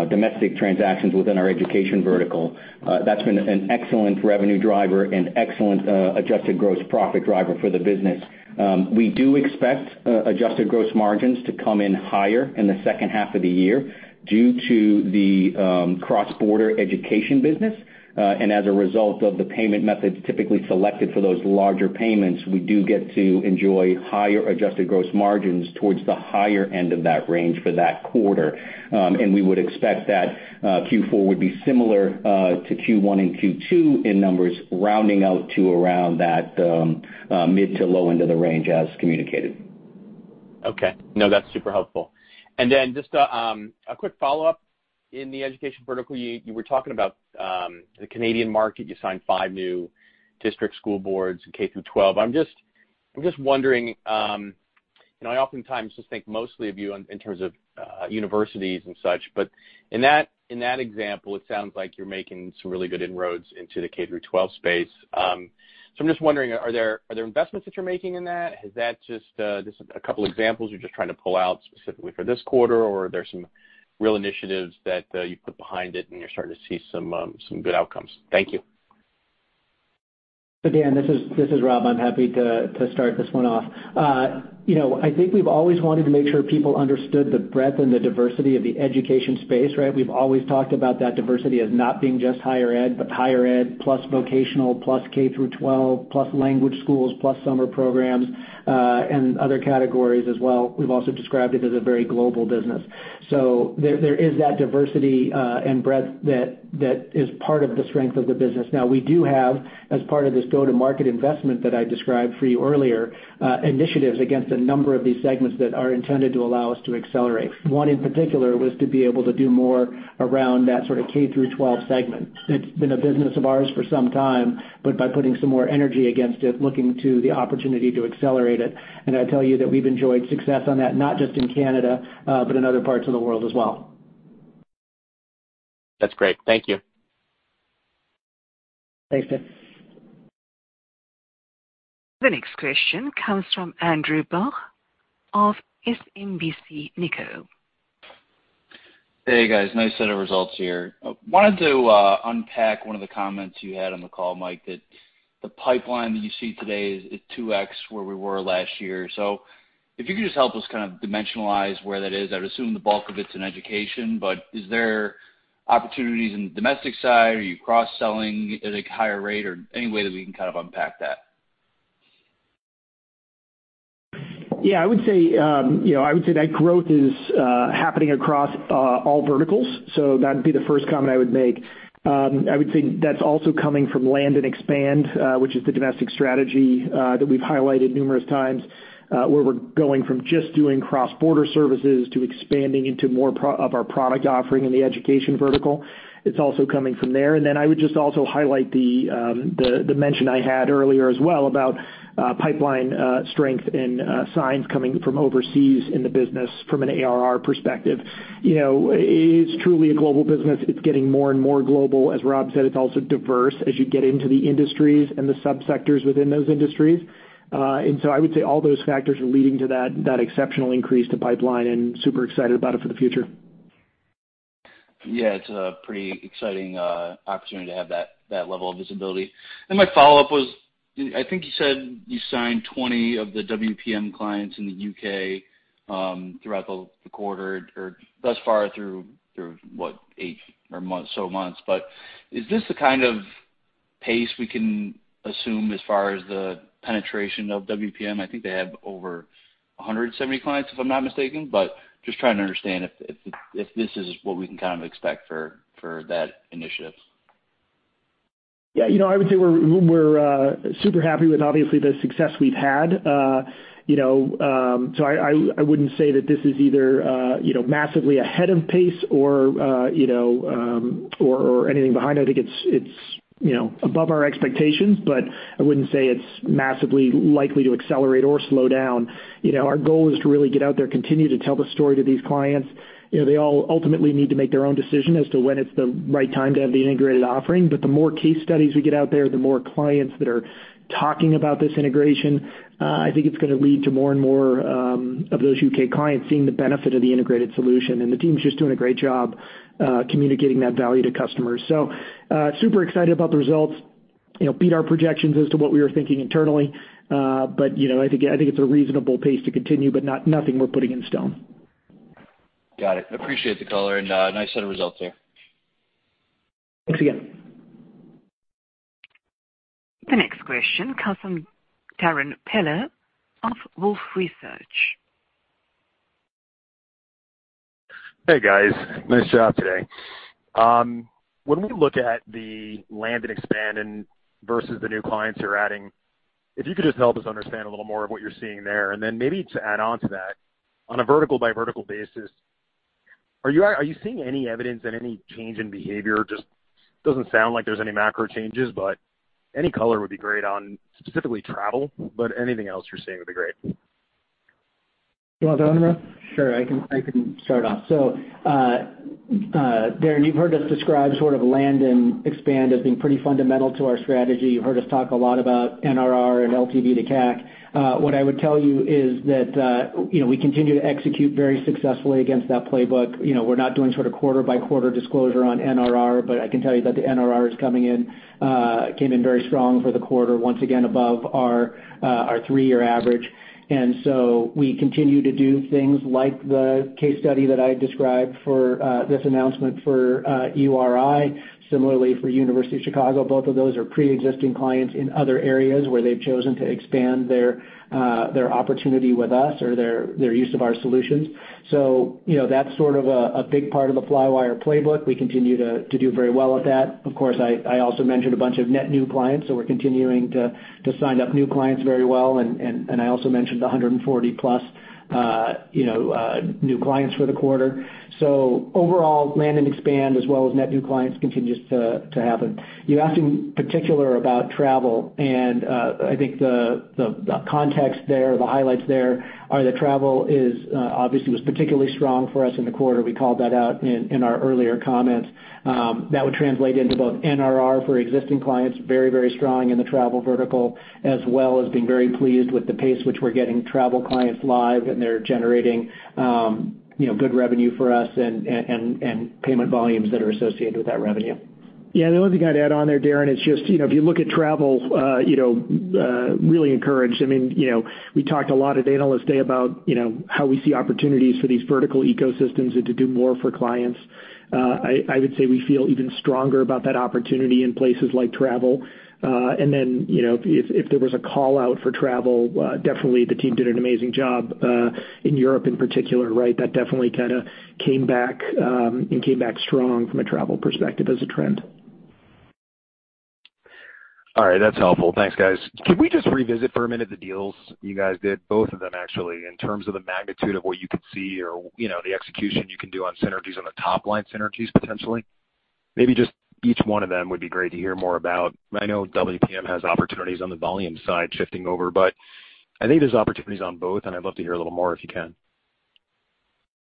Speaker 5: domestic transactions within our education vertical. That's been an excellent revenue driver and excellent adjusted gross profit driver for the business. We do expect adjusted gross margins to come in higher in the second half of the year due to the cross-border education business. As a result of the payment methods typically selected for those larger payments, we do get to enjoy higher adjusted gross margins towards the higher end of that range for that quarter. We would expect that Q4 would be similar to Q1 and Q2 in numbers rounding out to around that mid- to low-end of the range as communicated.
Speaker 7: Okay. No, that's super helpful. Just a quick follow-up. In the education vertical, you were talking about the Canadian market. You signed five new district school boards in K-12. I'm just wondering, you know, I oftentimes just think mostly of you in terms of universities and such, but in that example, it sounds like you're making some really good inroads into the K-12 space. I'm just wondering, are there investments that you're making in that? Is that just a couple examples you're just trying to pull out specifically for this quarter, or are there some real initiatives that you've put behind it and you're starting to see some good outcomes? Thank you.
Speaker 4: Dan, this is Rob. I'm happy to start this one off. You know, I think we've always wanted to make sure people understood the breadth and the diversity of the education space, right? We've always talked about that diversity as not being just higher ed, but higher ed plus vocational plus K through twelve plus language schools plus summer programs, and other categories as well. We've also described it as a very global business. There is that diversity and breadth that is part of the strength of the business. Now, we do have, as part of this go-to-market investment that I described for you earlier, initiatives against a number of these segments that are intended to allow us to accelerate. One in particular was to be able to do more around that sort of K-12 segment. It's been a business of ours for some time, but by putting some more energy against it, looking to the opportunity to accelerate it. I tell you that we've enjoyed success on that, not just in Canada, but in other parts of the world as well.
Speaker 7: That's great. Thank you.
Speaker 4: Thanks, Dan.
Speaker 1: The next question comes from Andrew Bauch of SMBC Nikko.
Speaker 8: Hey, guys. Nice set of results here. Wanted to unpack one of the comments you had on the call, Mike, that the pipeline that you see today is 2x where we were last year. If you could just help us kind of dimensionalize where that is. I'd assume the bulk of it's in education, but is there opportunities in the domestic side? Are you cross-selling at a higher rate or any way that we can kind of unpack that?
Speaker 3: Yeah, I would say, you know, I would say that growth is happening across all verticals, so that'd be the first comment I would make. I would say that's also coming from land and expand, which is the domestic strategy that we've highlighted numerous times, where we're going from just doing cross-border services to expanding into more of our product offering in the education vertical. It's also coming from there. Then I would just also highlight the mention I had earlier as well about pipeline strength and signs coming from overseas in the business from an ARR perspective. You know, it is truly a global business. It's getting more and more global. As Rob said, it's also diverse as you get into the industries and the subsectors within those industries. I would say all those factors are leading to that exceptional increase to pipeline, and super excited about it for the future.
Speaker 8: Yeah, it's a pretty exciting opportunity to have that level of visibility. My follow-up was, I think you said you signed 20 of the WPM clients in the U.K., throughout the quarter or thus far through eight or so months. Is this the kind of pace we can assume as far as the penetration of WPM? I think they have over 170 clients, if I'm not mistaken. Just trying to understand if this is what we can kind of expect for that initiative.
Speaker 3: Yeah, you know, I would say we're super happy with obviously the success we've had. You know, I wouldn't say that this is either you know massively ahead of pace or you know or anything behind it. I think it's you know above our expectations, but I wouldn't say it's massively likely to accelerate or slow down. You know, our goal is to really get out there, continue to tell the story to these clients. You know, they all ultimately need to make their own decision as to when it's the right time to have the integrated offering. The more case studies we get out there, the more clients that are talking about this integration, I think it's gonna lead to more and more of those UK clients seeing the benefit of the integrated solution. The team's just doing a great job communicating that value to customers. Super excited about the results. You know, beat our projections as to what we were thinking internally. But, you know, I think it's a reasonable pace to continue, but nothing we're putting in stone.
Speaker 8: Got it. Appreciate the color and, nice set of results there.
Speaker 3: Thanks again.
Speaker 1: The next question comes from Darrin Peller of Wolfe Research.
Speaker 9: Hey, guys. Nice job today. When we look at the land and expand versus the new clients you're adding, if you could just help us understand a little more of what you're seeing there. Maybe to add on to that, on a vertical by vertical basis, are you seeing any evidence of any change in behavior? Just doesn't sound like there's any macro changes, but any color would be great on specifically travel, but anything else you're seeing would be great.
Speaker 3: You want that one, Rob?
Speaker 4: Sure. I can start off. Darrin, you've heard us describe sort of land and expand as being pretty fundamental to our strategy. You've heard us talk a lot about NRR and LTV to CAC. What I would tell you is that, you know, we continue to execute very successfully against that playbook. You know, we're not doing sort of quarter by quarter disclosure on NRR, but I can tell you that the NRR came in very strong for the quarter, once again above our three-year average. We continue to do things like the case study that I described for this announcement for URI. Similarly for University of Chicago, both of those are pre-existing clients in other areas where they've chosen to expand their opportunity with us or their use of our solutions. You know, that's sort of a big part of the Flywire playbook. We continue to do very well with that. Of course, I also mentioned a bunch of net new clients, so we're continuing to- Just signed up new clients very well, and I also mentioned the 140-plus new clients for the quarter. Overall land and expand as well as net new clients continues to happen. You asked, in particular, about travel, and I think the context there, the highlights there are that travel is obviously was particularly strong for us in the quarter. We called that out in our earlier comments. That would translate into both NRR for existing clients, very strong in the travel vertical as well as being very pleased with the pace which we're getting travel clients live and they're generating good revenue for us and payment volumes that are associated with that revenue.
Speaker 3: Yeah. The only thing I'd add on there, Darrin, is just, you know, if you look at travel, you know, really encouraged. I mean, you know, we talked a lot at Analyst Day about, you know, how we see opportunities for these vertical ecosystems and to do more for clients. I would say we feel even stronger about that opportunity in places like travel. And then, you know, if there was a call-out for travel, definitely the team did an amazing job, in Europe in particular, right? That definitely kinda came back, and came back strong from a travel perspective as a trend.
Speaker 9: All right, that's helpful. Thanks, guys. Can we just revisit for a minute the deals you guys did, both of them actually, in terms of the magnitude of what you could see or, you know, the execution you can do on synergies on the top line synergies potentially? Maybe just each one of them would be great to hear more about. I know WPM has opportunities on the volume side shifting over, but I think there's opportunities on both, and I'd love to hear a little more if you can.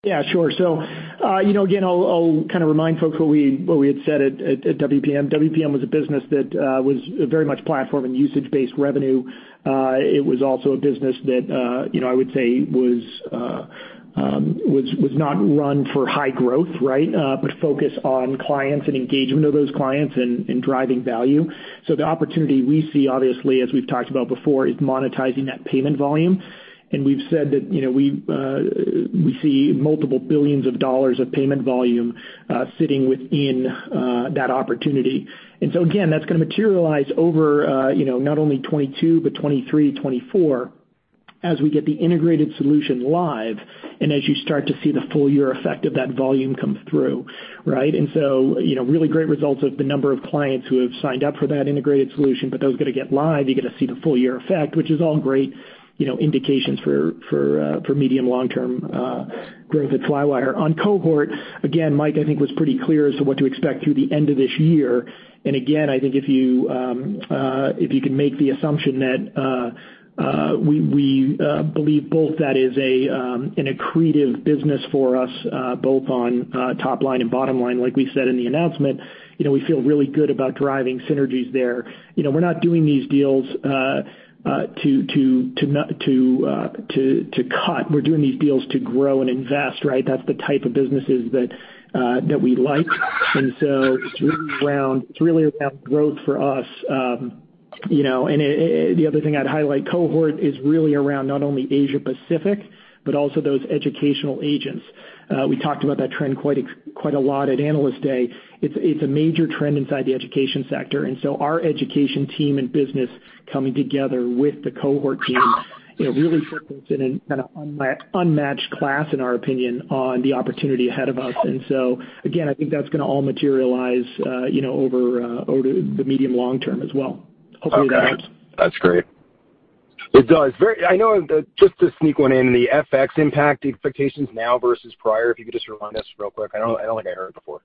Speaker 3: Yeah, sure. You know, again, I'll kind of remind folks what we had said at WPM. WPM was a business that was very much platform and usage-based revenue. It was also a business that, you know, I would say was not run for high growth, right? Focused on clients and engagement of those clients and driving value. The opportunity we see, obviously, as we've talked about before, is monetizing that payment volume. We've said that, you know, we see multiple billions of dollars of payment volume sitting within that opportunity. Again, that's gonna materialize over, you know, not only 2022 but 2023, 2024 as we get the integrated solution live and as you start to see the full-year effect of that volume come through, right? You know, really great results of the number of clients who have signed up for that integrated solution. Those are gonna go live, you're gonna see the full-year effect, which is all great, you know, indications for medium long-term growth at Flywire. On Cohort, again, Mike, I think was pretty clear as to what to expect through the end of this year. Again, I think if you can make the assumption that we believe both that it is an accretive business for us, both on top line and bottom line. Like we said in the announcement, you know, we feel really good about driving synergies there. You know, we're not doing these deals to cut. We're doing these deals to grow and invest, right? That's the type of businesses that we like. It's really around growth for us. You know, the other thing I'd highlight, Cohort is really around not only Asia Pacific, but also those educational agents. We talked about that trend quite a lot at Analyst Day. It's a major trend inside the education sector, and our education team and business coming together with the Cohort team really puts us in a kinda unmatched class in our opinion on the opportunity ahead of us. Again, I think that's gonna all materialize over the medium long-term as well. Hopefully that helps.
Speaker 9: Okay. That's great.It does. I know, just to sneak one in, the FX impact expectations now versus prior, if you could just remind us real quick. I don't think I heard it before.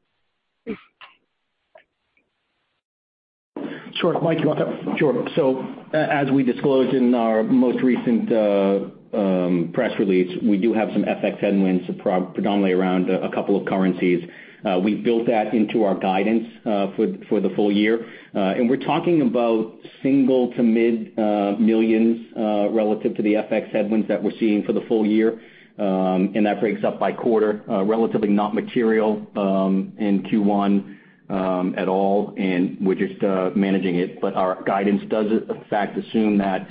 Speaker 3: Sure. Mike, you want that?
Speaker 5: As we disclosed in our most recent press release, we do have some FX headwinds, predominantly around a couple of currencies. We built that into our guidance for the full year. We're talking about $1 million-$5 million relative to the FX headwinds that we're seeing for the full year. That breaks down by quarter, relatively not material in Q1 at all, and we're just managing it. Our guidance does in fact assume that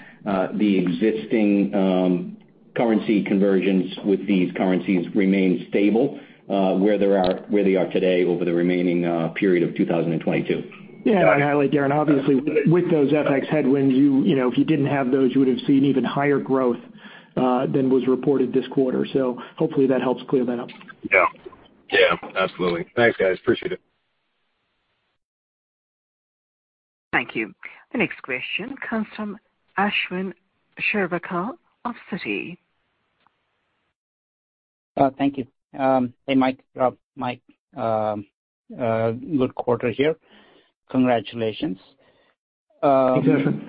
Speaker 5: the existing currency conversions with these currencies remain stable where they are today over the remaining period of 2022.
Speaker 3: Yeah. I'd highlight, Darrin, obviously with those FX headwinds, you know, if you didn't have those, you would have seen even higher growth than was reported this quarter. Hopefully that helps clear that up.
Speaker 9: Yeah. Yeah, absolutely. Thanks, guys. Appreciate it.
Speaker 1: Thank you. The next question comes from Ashwin Shirvaikar of Citi.
Speaker 10: Thank you. Hey, Mike, Rob. Mike, good quarter here. Congratulations.
Speaker 3: Thank you.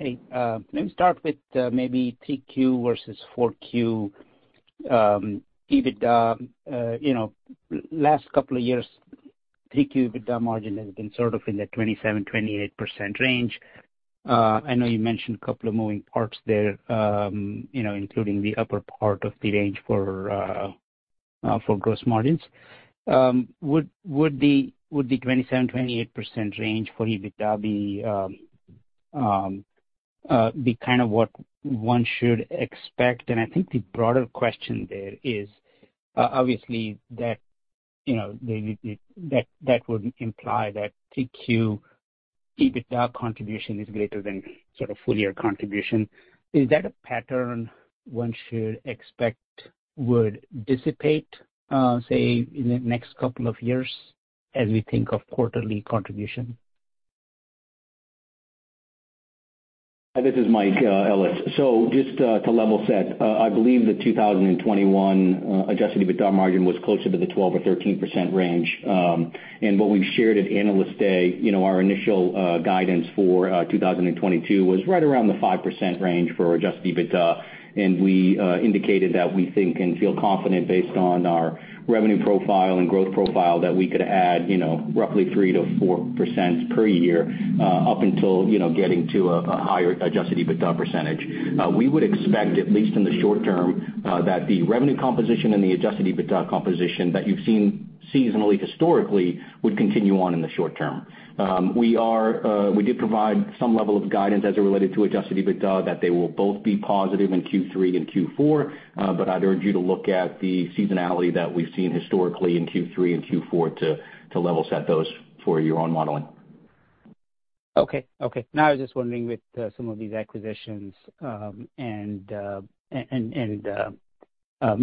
Speaker 10: Let me start with maybe 3Q versus 4Q EBITDA. You know, last couple of years, 3Q EBITDA margin has been sort of in the 27%-28% range. I know you mentioned a couple of moving parts there, you know, including the upper part of the range for gross margins. Would the 27%-28% range for EBITDA be kind of what one should expect? I think the broader question there is, obviously that, you know, that would imply that 3Q EBITDA contribution is greater than sort of full-year contribution. Is that a pattern one should expect would dissipate, say, in the next couple of years as we think of quarterly contribution?
Speaker 5: Hi, this is Mike Ellis. Just to level set, I believe the 2021 adjusted EBITDA margin was closer to the 12% or 13% range. What we've shared at Analyst Day, you know, our initial guidance for 2022 was right around the 5% range for adjusted EBITDA. We indicated that we think and feel confident based on our revenue profile and growth profile that we could add, you know, roughly 3%-4% per year up until getting to a higher adjusted EBITDA percentage. We would expect, at least in the short term, that the revenue composition and the adjusted EBITDA composition that you've seen seasonally historically would continue on in the short term. We did provide some level of guidance as it related to adjusted EBITDA that they will both be positive in Q3 and Q4. I'd urge you to look at the seasonality that we've seen historically in Q3 and Q4 to level set those for your own modeling.
Speaker 10: No, I was just wondering with some of these acquisitions and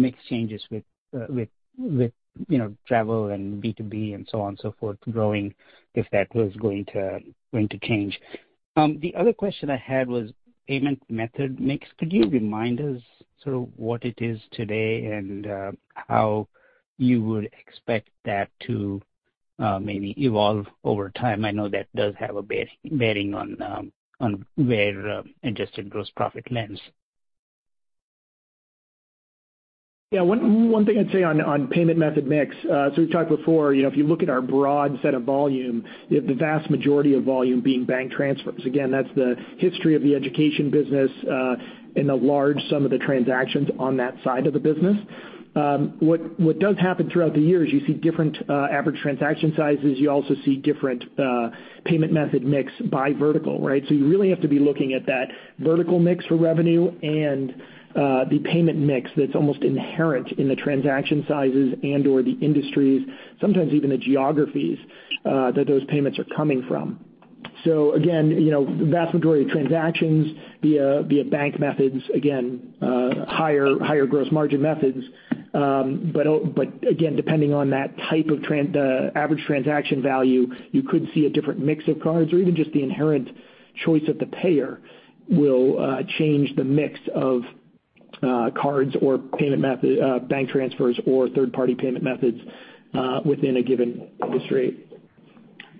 Speaker 10: mix changes with, you know, travel and B2B and so on and so forth growing, if that was going to change. The other question I had was payment method mix. Could you remind us sort of what it is today and how you would expect that to maybe evolve over time? I know that does have a bearing on where adjusted gross profit lands.
Speaker 3: Yeah. One thing I'd say on payment method mix, so we've talked before, you know, if you look at our broad set of volume, the vast majority of volume being bank transfers. Again, that's the history of the education business, and the large sum of the transactions on that side of the business. What does happen throughout the years, you see different average transaction sizes. You also see different payment method mix by vertical, right? So you really have to be looking at that vertical mix for revenue and the payment mix that's almost inherent in the transaction sizes and/or the industries, sometimes even the geographies that those payments are coming from. So again, you know, the vast majority of transactions via bank methods, again, higher gross margin methods. Depending on that type of transaction, the average transaction value, you could see a different mix of cards or even just the inherent choice of the payer will change the mix of cards or payment method, bank transfers or third-party payment methods, within a given industry.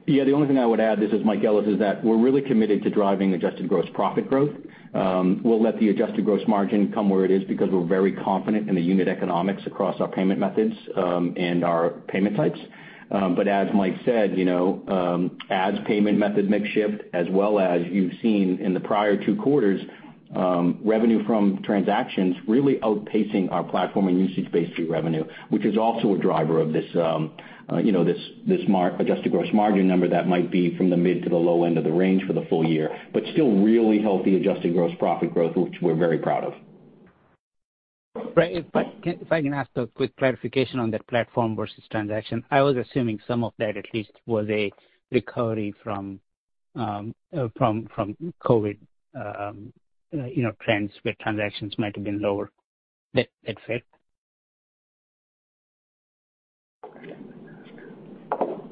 Speaker 5: Yeah. The only thing I would add, this is Mike Ellis, is that we're really committed to driving adjusted gross profit growth. We'll let the adjusted gross margin come where it is because we're very confident in the unit economics across our payment methods and our payment types. As Mike said, you know, as payment method mix shift as well as you've seen in the prior two quarters, revenue from transactions really outpacing our platform and usage-based fee revenue, which is also a driver of this, you know, this adjusted gross margin number that might be from the mid to the low end of the range for the full year, but still really healthy adjusted gross profit growth, which we're very proud of.
Speaker 10: Right. If I can ask a quick clarification on that platform versus transaction. I was assuming some of that at least was a recovery from COVID, you know, trends where transactions might have been lower. That fit?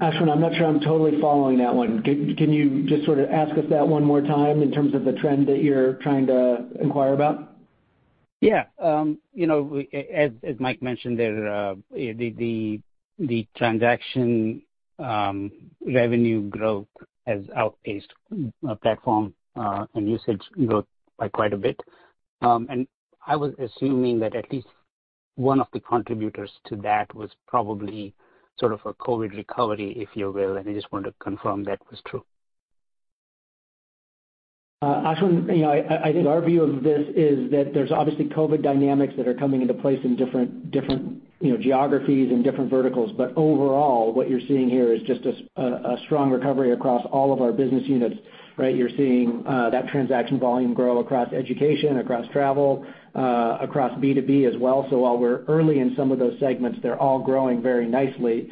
Speaker 3: Ashwin, I'm not sure I'm totally following that one. Can you just sort of ask us that one more time in terms of the trend that you're trying to inquire about?
Speaker 10: Yeah. You know, as Mike mentioned there, the transaction revenue growth has outpaced platform and usage growth by quite a bit. I was assuming that at least one of the contributors to that was probably sort of a COVID recovery, if you will, and I just wanted to confirm that was true.
Speaker 3: Ashwin, you know, I think our view of this is that there's obviously COVID dynamics that are coming into place in different, you know, geographies and different verticals. Overall, what you're seeing here is just a strong recovery across all of our business units, right? You're seeing that transaction volume grow across education, across travel, across B2B as well. While we're early in some of those segments, they're all growing very nicely.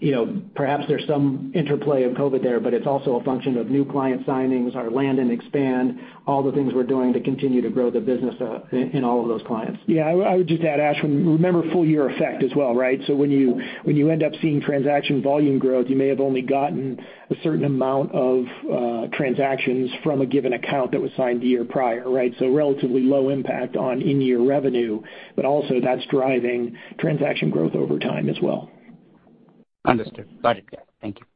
Speaker 3: You know, perhaps there's some interplay of COVID there, but it's also a function of new client signings, our land and expand, all the things we're doing to continue to grow the business in all of those clients.
Speaker 5: Yeah. I would just add, Ashwin, remember full year effect as well, right? When you end up seeing transaction volume growth, you may have only gotten a certain amount of transactions from a given account that was signed the year prior, right? Relatively low impact on in-year revenue, but also that's driving transaction growth over time as well.
Speaker 10: Understood. Got it. Yeah. Thank you.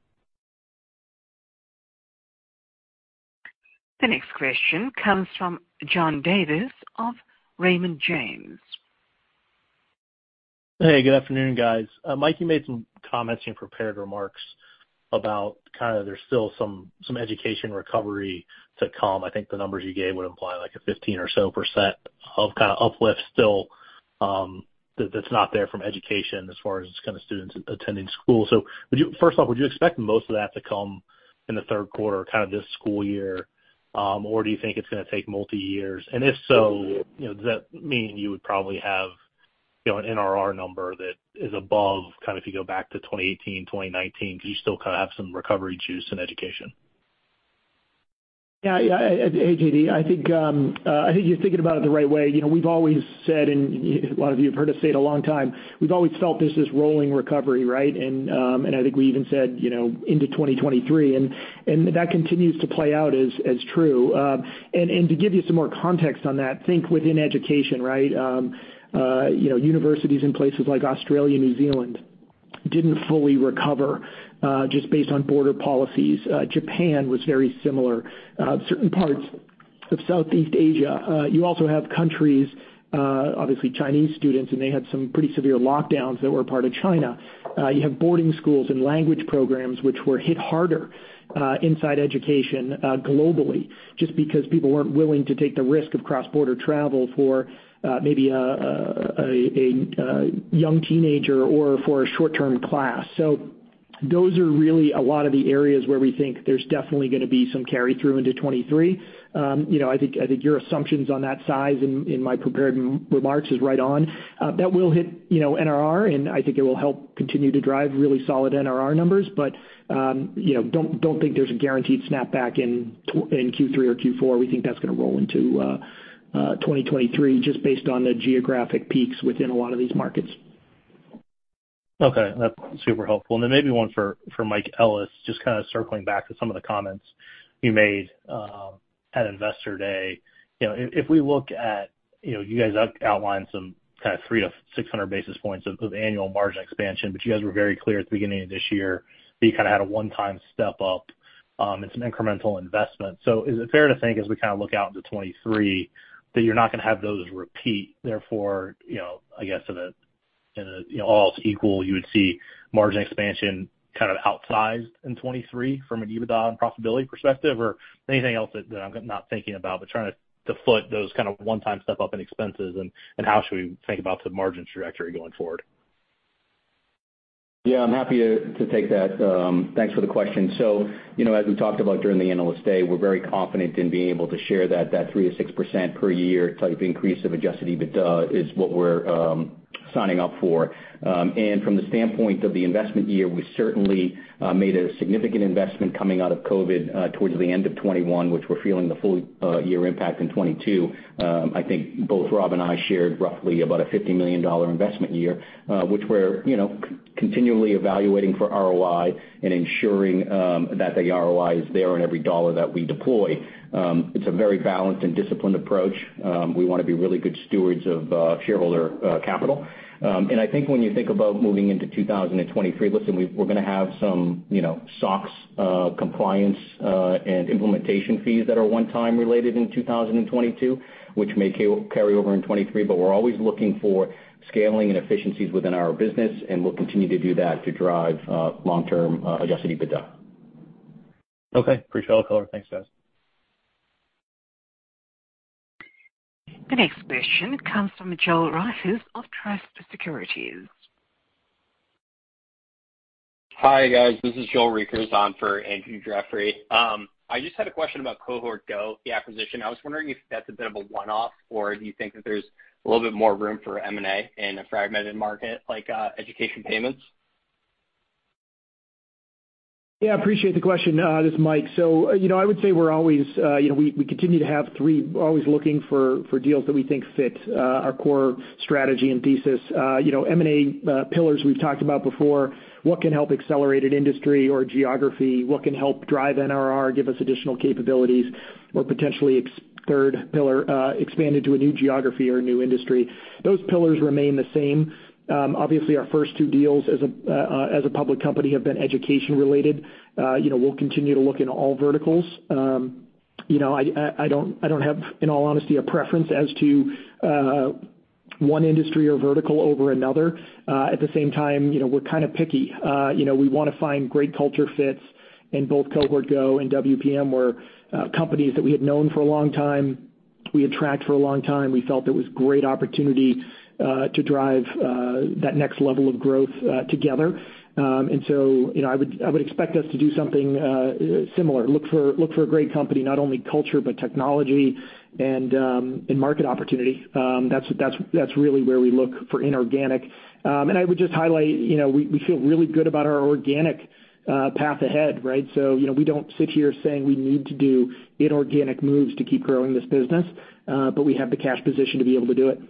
Speaker 1: The next question comes from John Davis of Raymond James.
Speaker 11: Hey, good afternoon, guys. Mike, you made some comments in your prepared remarks about kinda there's still some education recovery to come. I think the numbers you gave would imply like a 15% or so of kinda uplift still, that's not there from education as far as just kinda students attending school. First off, would you expect most of that to come in the third quarter, kind of this school year? Or do you think it's gonna take multi years? If so, you know, does that mean you would probably have, you know, an NRR number that is above, kind of if you go back to 2018, 2019, 'cause you still kinda have some recovery juice in education?
Speaker 3: Yeah, AJD, I think you're thinking about it the right way. You know, we've always said, and a lot of you have heard us say it a long time, we've always felt this is rolling recovery, right? I think we even said, you know, into 2023, and that continues to play out as true. To give you some more context on that, think within education, right? You know, universities in places like Australia, New Zealand didn't fully recover, just based on border policies. Japan was very similar. Certain parts of Southeast Asia. You also have countries, obviously Chinese students, and they had some pretty severe lockdowns that were part of China. You have boarding schools and language programs which were hit harder inside education globally, just because people weren't willing to take the risk of cross-border travel for maybe a young teenager or for a short-term class. Those are really a lot of the areas where we think there's definitely gonna be some carry-through into 2023. You know, I think your assumptions on that size in my prepared remarks is right on. That will hit, you know, NRR, and I think it will help continue to drive really solid NRR numbers. You know, don't think there's a guaranteed snapback in Q3 or Q4. We think that's gonna roll into 2023 just based on the geographic peaks within a lot of these markets.
Speaker 11: Okay. That's super helpful. Then maybe one for Mike Ellis, just kinda circling back to some of the comments you made at Investor Day. You know, if we look at, you know, you guys outlined some kind of 300-600 basis points of annual margin expansion, but you guys were very clear at the beginning of this year that you kinda had a one-time step up and some incremental investment. Is it fair to think as we kind of look out into 2023 that you're not gonna have those repeat, therefore, you know, I guess in a, you know, all else equal, you would see margin expansion kind of outsized in 2023 from an EBITDA and profitability perspective? Anything else that I'm not thinking about, but trying to foot those kind of one-time step up in expenses and how should we think about the margin trajectory going forward?
Speaker 3: Yeah, I'm happy to take that. Thanks for the question. You know, as we talked about during the Analyst Day, we're very confident in being able to share that 3%-6% per year type increase of adjusted EBITDA is what we're signing up for. From the standpoint of the investment year, we certainly made a significant investment coming out of COVID towards the end of 2021, which we're feeling the full year impact in 2022. I think both Rob and I shared roughly about a $50 million investment year, which we're, you know, continually evaluating for ROI and ensuring that the ROI is there on every dollar that we deploy. It's a very balanced and disciplined approach. We wanna be really good stewards of shareholder capital. I think when you think about moving into 2023, listen, we're gonna have some, you know, SOX compliance and implementation fees that are one time related in 2022, which may carry over in 2023. We're always looking for scaling and efficiencies within our business, and we'll continue to do that to drive long-term adjusted EBITDA.
Speaker 11: Okay. Appreciate all the color. Thanks, guys.
Speaker 1: The next question comes from Joel Riechers of Truist Securities.
Speaker 12: Hi, guys. This is Joel Riechers on for Andrew Jeffrey. I just had a question about Cohort Go, the acquisition. I was wondering if that's a bit of a one-off, or do you think that there's a little bit more room for M&A in a fragmented market like education payments?
Speaker 3: Yeah, appreciate the question. This is Mike. So, you know, I would say we're always looking for deals that we think fit our core strategy and thesis. You know, M&A pillars we've talked about before. What can help accelerate an industry or geography? What can help drive NRR, give us additional capabilities or potentially third pillar, expand into a new geography or a new industry. Those pillars remain the same. Obviously, our first two deals as a public company have been education-related. You know, we'll continue to look in all verticals. You know, I don't have, in all honesty, a preference as to one industry or vertical over another. At the same time, you know, we're kinda picky. You know, we wanna find great culture fits, and both Cohort Go and WPM were companies that we had known for a long time. We had tracked for a long time. We felt it was great opportunity to drive that next level of growth together. You know, I would expect us to do something similar, look for a great company, not only culture, but technology and market opportunity. That's really where we look for inorganic. I would just highlight, you know, we feel really good about our organic path ahead, right? You know, we don't sit here saying we need to do inorganic moves to keep growing this business, but we have the cash position to be able to do it.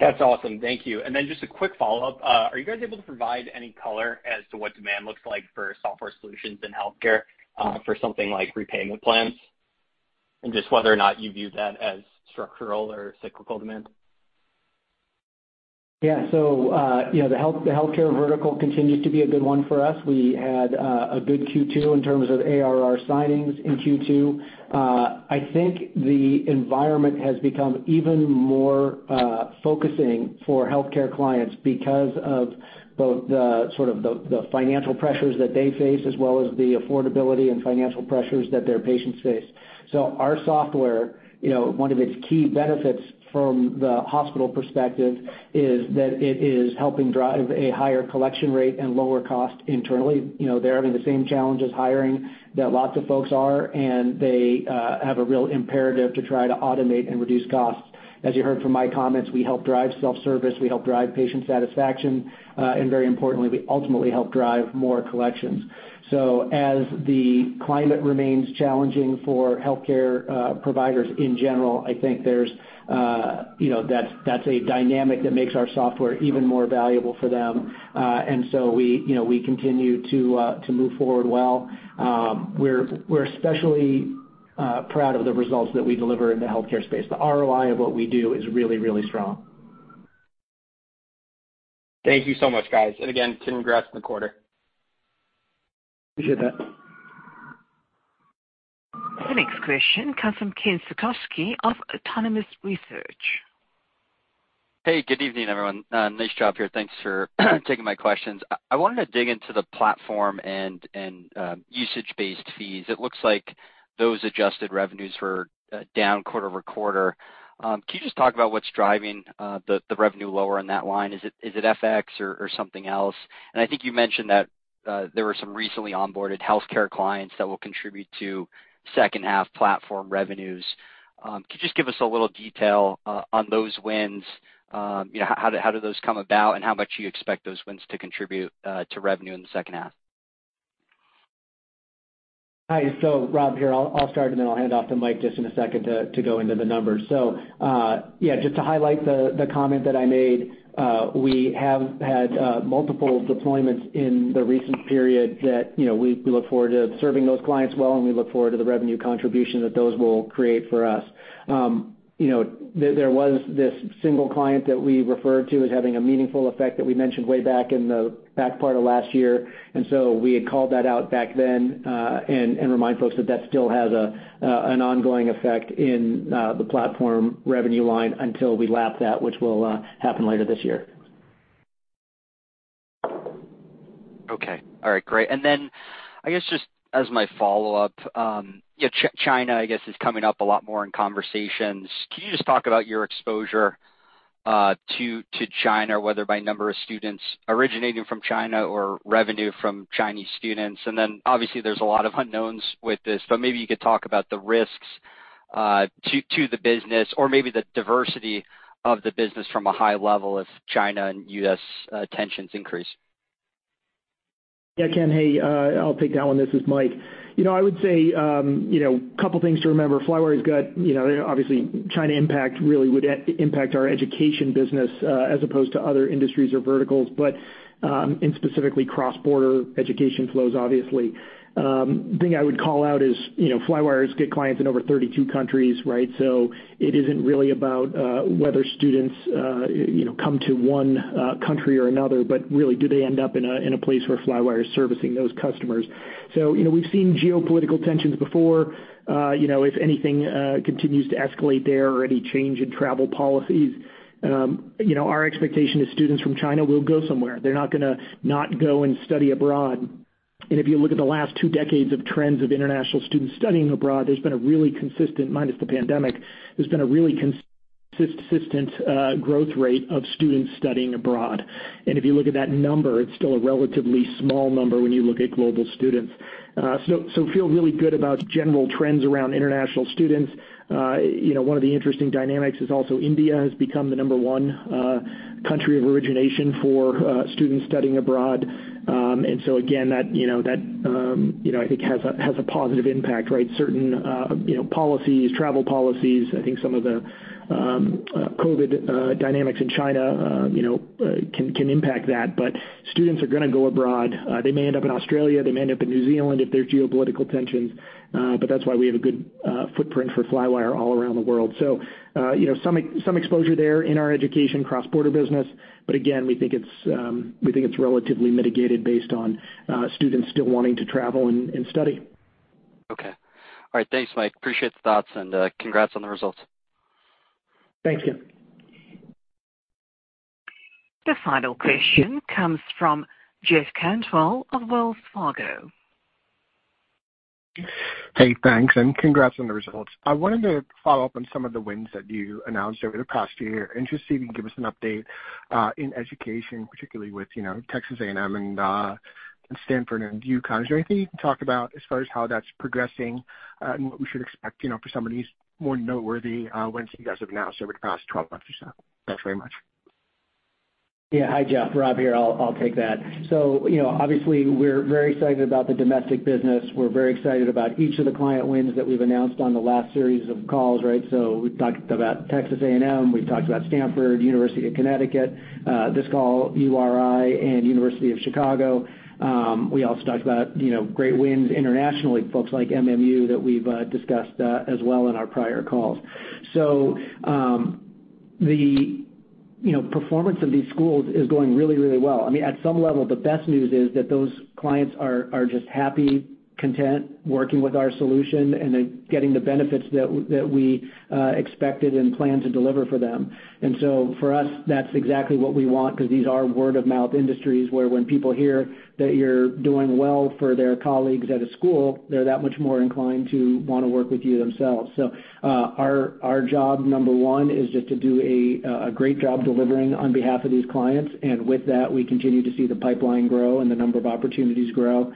Speaker 12: That's awesome. Thank you. Just a quick follow-up. Are you guys able to provide any color as to what demand looks like for software solutions in healthcare, for something like repayment plans? Just whether or not you view that as structural or cyclical demand?
Speaker 3: Yeah. You know, the healthcare vertical continues to be a good one for us. We had a good Q2 in terms of ARR signings in Q2. I think the environment has become even more focusing for healthcare clients because of both the financial pressures that they face, as well as the affordability and financial pressures that their patients face. Our software, you know, one of its key benefits from the hospital perspective is that it is helping drive a higher collection rate and lower cost internally. You know, they're having the same challenges hiring that lots of folks are, and they have a real imperative to try to automate and reduce costs. As you heard from my comments, we help drive self-service, we help drive patient satisfaction, and very importantly, we ultimately help drive more collections. As the climate remains challenging for healthcare providers in general, I think that's a dynamic that makes our software even more valuable for them. We continue to move forward well. We're especially proud of the results that we deliver in the healthcare space. The ROI of what we do is really, really strong.
Speaker 12: Thank you so much, guys. Again, congrats on the quarter.
Speaker 3: Appreciate that.
Speaker 1: The next question comes from Ken Suchoski of Autonomous Research.
Speaker 13: Hey, good evening, everyone. Nish Kadakia. Thanks for taking my questions. I wanted to dig into the platform and usage-based fees. It looks like those adjusted revenues were down quarter-over-quarter. Can you just talk about what's driving the revenue lower on that line? Is it FX or something else? I think you mentioned that there were some recently onboarded healthcare clients that will contribute to second half platform revenues. Could you just give us a little detail on those wins? You know, how do those come about, and how much do you expect those wins to contribute to revenue in the second half?
Speaker 4: Hi. Rob here. I'll start, and then I'll hand off to Mike just in a second to go into the numbers. Yeah, just to highlight the comment that I made, we have had multiple deployments in the recent period that you know we look forward to serving those clients well, and we look forward to the revenue contribution that those will create for us. You know, there was this single client that we referred to as having a meaningful effect that we mentioned way back in the back part of last year. We had called that out back then, and remind folks that that still has an ongoing effect in the platform revenue line until we lap that, which will happen later this year.
Speaker 13: Okay. All right, great. I guess just as my follow-up, yeah, China, I guess, is coming up a lot more in conversations. Can you just talk about your exposure to China, whether by number of students originating from China or revenue from Chinese students? Obviously there's a lot of unknowns with this, but maybe you could talk about the risks to the business or maybe the diversity of the business from a high level as China and U.S. tensions increase.
Speaker 3: Yeah, Ken. Hey, I'll take that one. This is Mike. You know, I would say, you know, couple things to remember. Flywire's got, you know, obviously China impact really would impact our education business, as opposed to other industries or verticals, but, and specifically cross-border education flows obviously. The thing I would call out is, you know, Flywire's got clients in over 32 countries, right? It isn't really about, whether students, you know, come to one, country or another, but really do they end up in a place where Flywire is servicing those customers. You know, we've seen geopolitical tensions before. You know, if anything continues to escalate there or any change in travel policies, you know, our expectation is students from China will go somewhere. They're not gonna not go and study abroad. If you look at the last two decades of trends of international students studying abroad, there's been a really consistent growth rate of students studying abroad, minus the pandemic. If you look at that number, it's still a relatively small number when you look at global students. Feel really good about general trends around international students. You know, one of the interesting dynamics is also India has become the number one country of origination for students studying abroad. Again, that, you know, I think has a positive impact, right? Certain policies, travel policies, I think some of the COVID dynamics in China can impact that. Students are gonna go abroad. They may end up in Australia, they may end up in New Zealand if there are geopolitical tensions, but that's why we have a good footprint for Flywire all around the world. You know, some exposure there in our education cross-border business, but again, we think it's relatively mitigated based on students still wanting to travel and study.
Speaker 13: Okay. All right. Thanks, Mike. Appreciate the thoughts, and congrats on the results.
Speaker 3: Thanks, Ken.
Speaker 1: The final question comes from Jeff Cantwell of Wells Fargo.
Speaker 14: Hey, thanks, and congrats on the results. I wanted to follow up on some of the wins that you announced over the past year. Interested if you can give us an update, in education, particularly with, you know, Texas A&M and Stanford and UConn. Is there anything you can talk about as far as how that's progressing, and what we should expect, you know, for some of these more noteworthy, wins you guys have announced over the past twelve months or so? Thanks very much.
Speaker 4: Yeah. Hi, Jeff. Rob here. I'll take that. You know, obviously we're very excited about the domestic business. We're very excited about each of the client wins that we've announced on the last series of calls, right? We've talked about Texas A&M, we've talked about Stanford, University of Connecticut, this call, URI and University of Chicago. We also talked about, you know, great wins internationally, folks like MMU that we've discussed, as well in our prior calls. The, you know, performance of these schools is going really, really well. I mean, at some level, the best news is that those clients are just happy, content working with our solution and they're getting the benefits that we expected and plan to deliver for them. For us, that's exactly what we want 'cause these are word of mouth industries where when people hear that you're doing well for their colleagues at a school, they're that much more inclined to wanna work with you themselves. Our job number one is just to do a great job delivering on behalf of these clients, and with that, we continue to see the pipeline grow and the number of opportunities grow.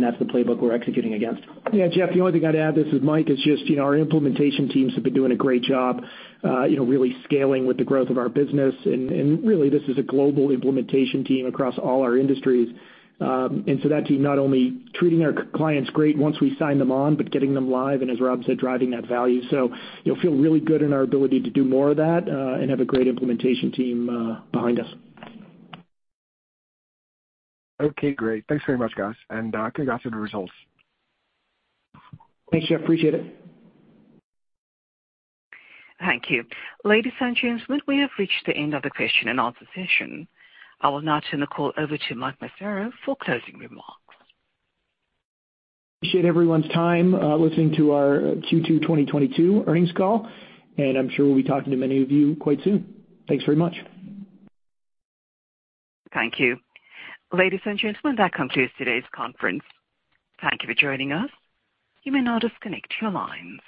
Speaker 4: That's the playbook we're executing against.
Speaker 3: Yeah, Jeff, the only thing I'd add, this is Mike, is just, you know, our implementation teams have been doing a great job, you know, really scaling with the growth of our business. Really this is a global implementation team across all our industries. That team not only treating our clients great once we sign them on, but getting them live and as Rob said, driving that value. You'll feel really good in our ability to do more of that, and have a great implementation team behind us.
Speaker 14: Okay, great. Thanks very much, guys, and congrats on the results.
Speaker 3: Thanks, Jeff. Appreciate it.
Speaker 1: Thank you. Ladies and gents, we have reached the end of the question and answer session. I will now turn the call over to Mike Massaro for closing remarks.
Speaker 3: Appreciate everyone's time, listening to our Q2 2022 earnings call, and I'm sure we'll be talking to many of you quite soon. Thanks very much.
Speaker 1: Thank you. Ladies and gentlemen, that concludes today's conference. Thank you for joining us. You may now disconnect your lines.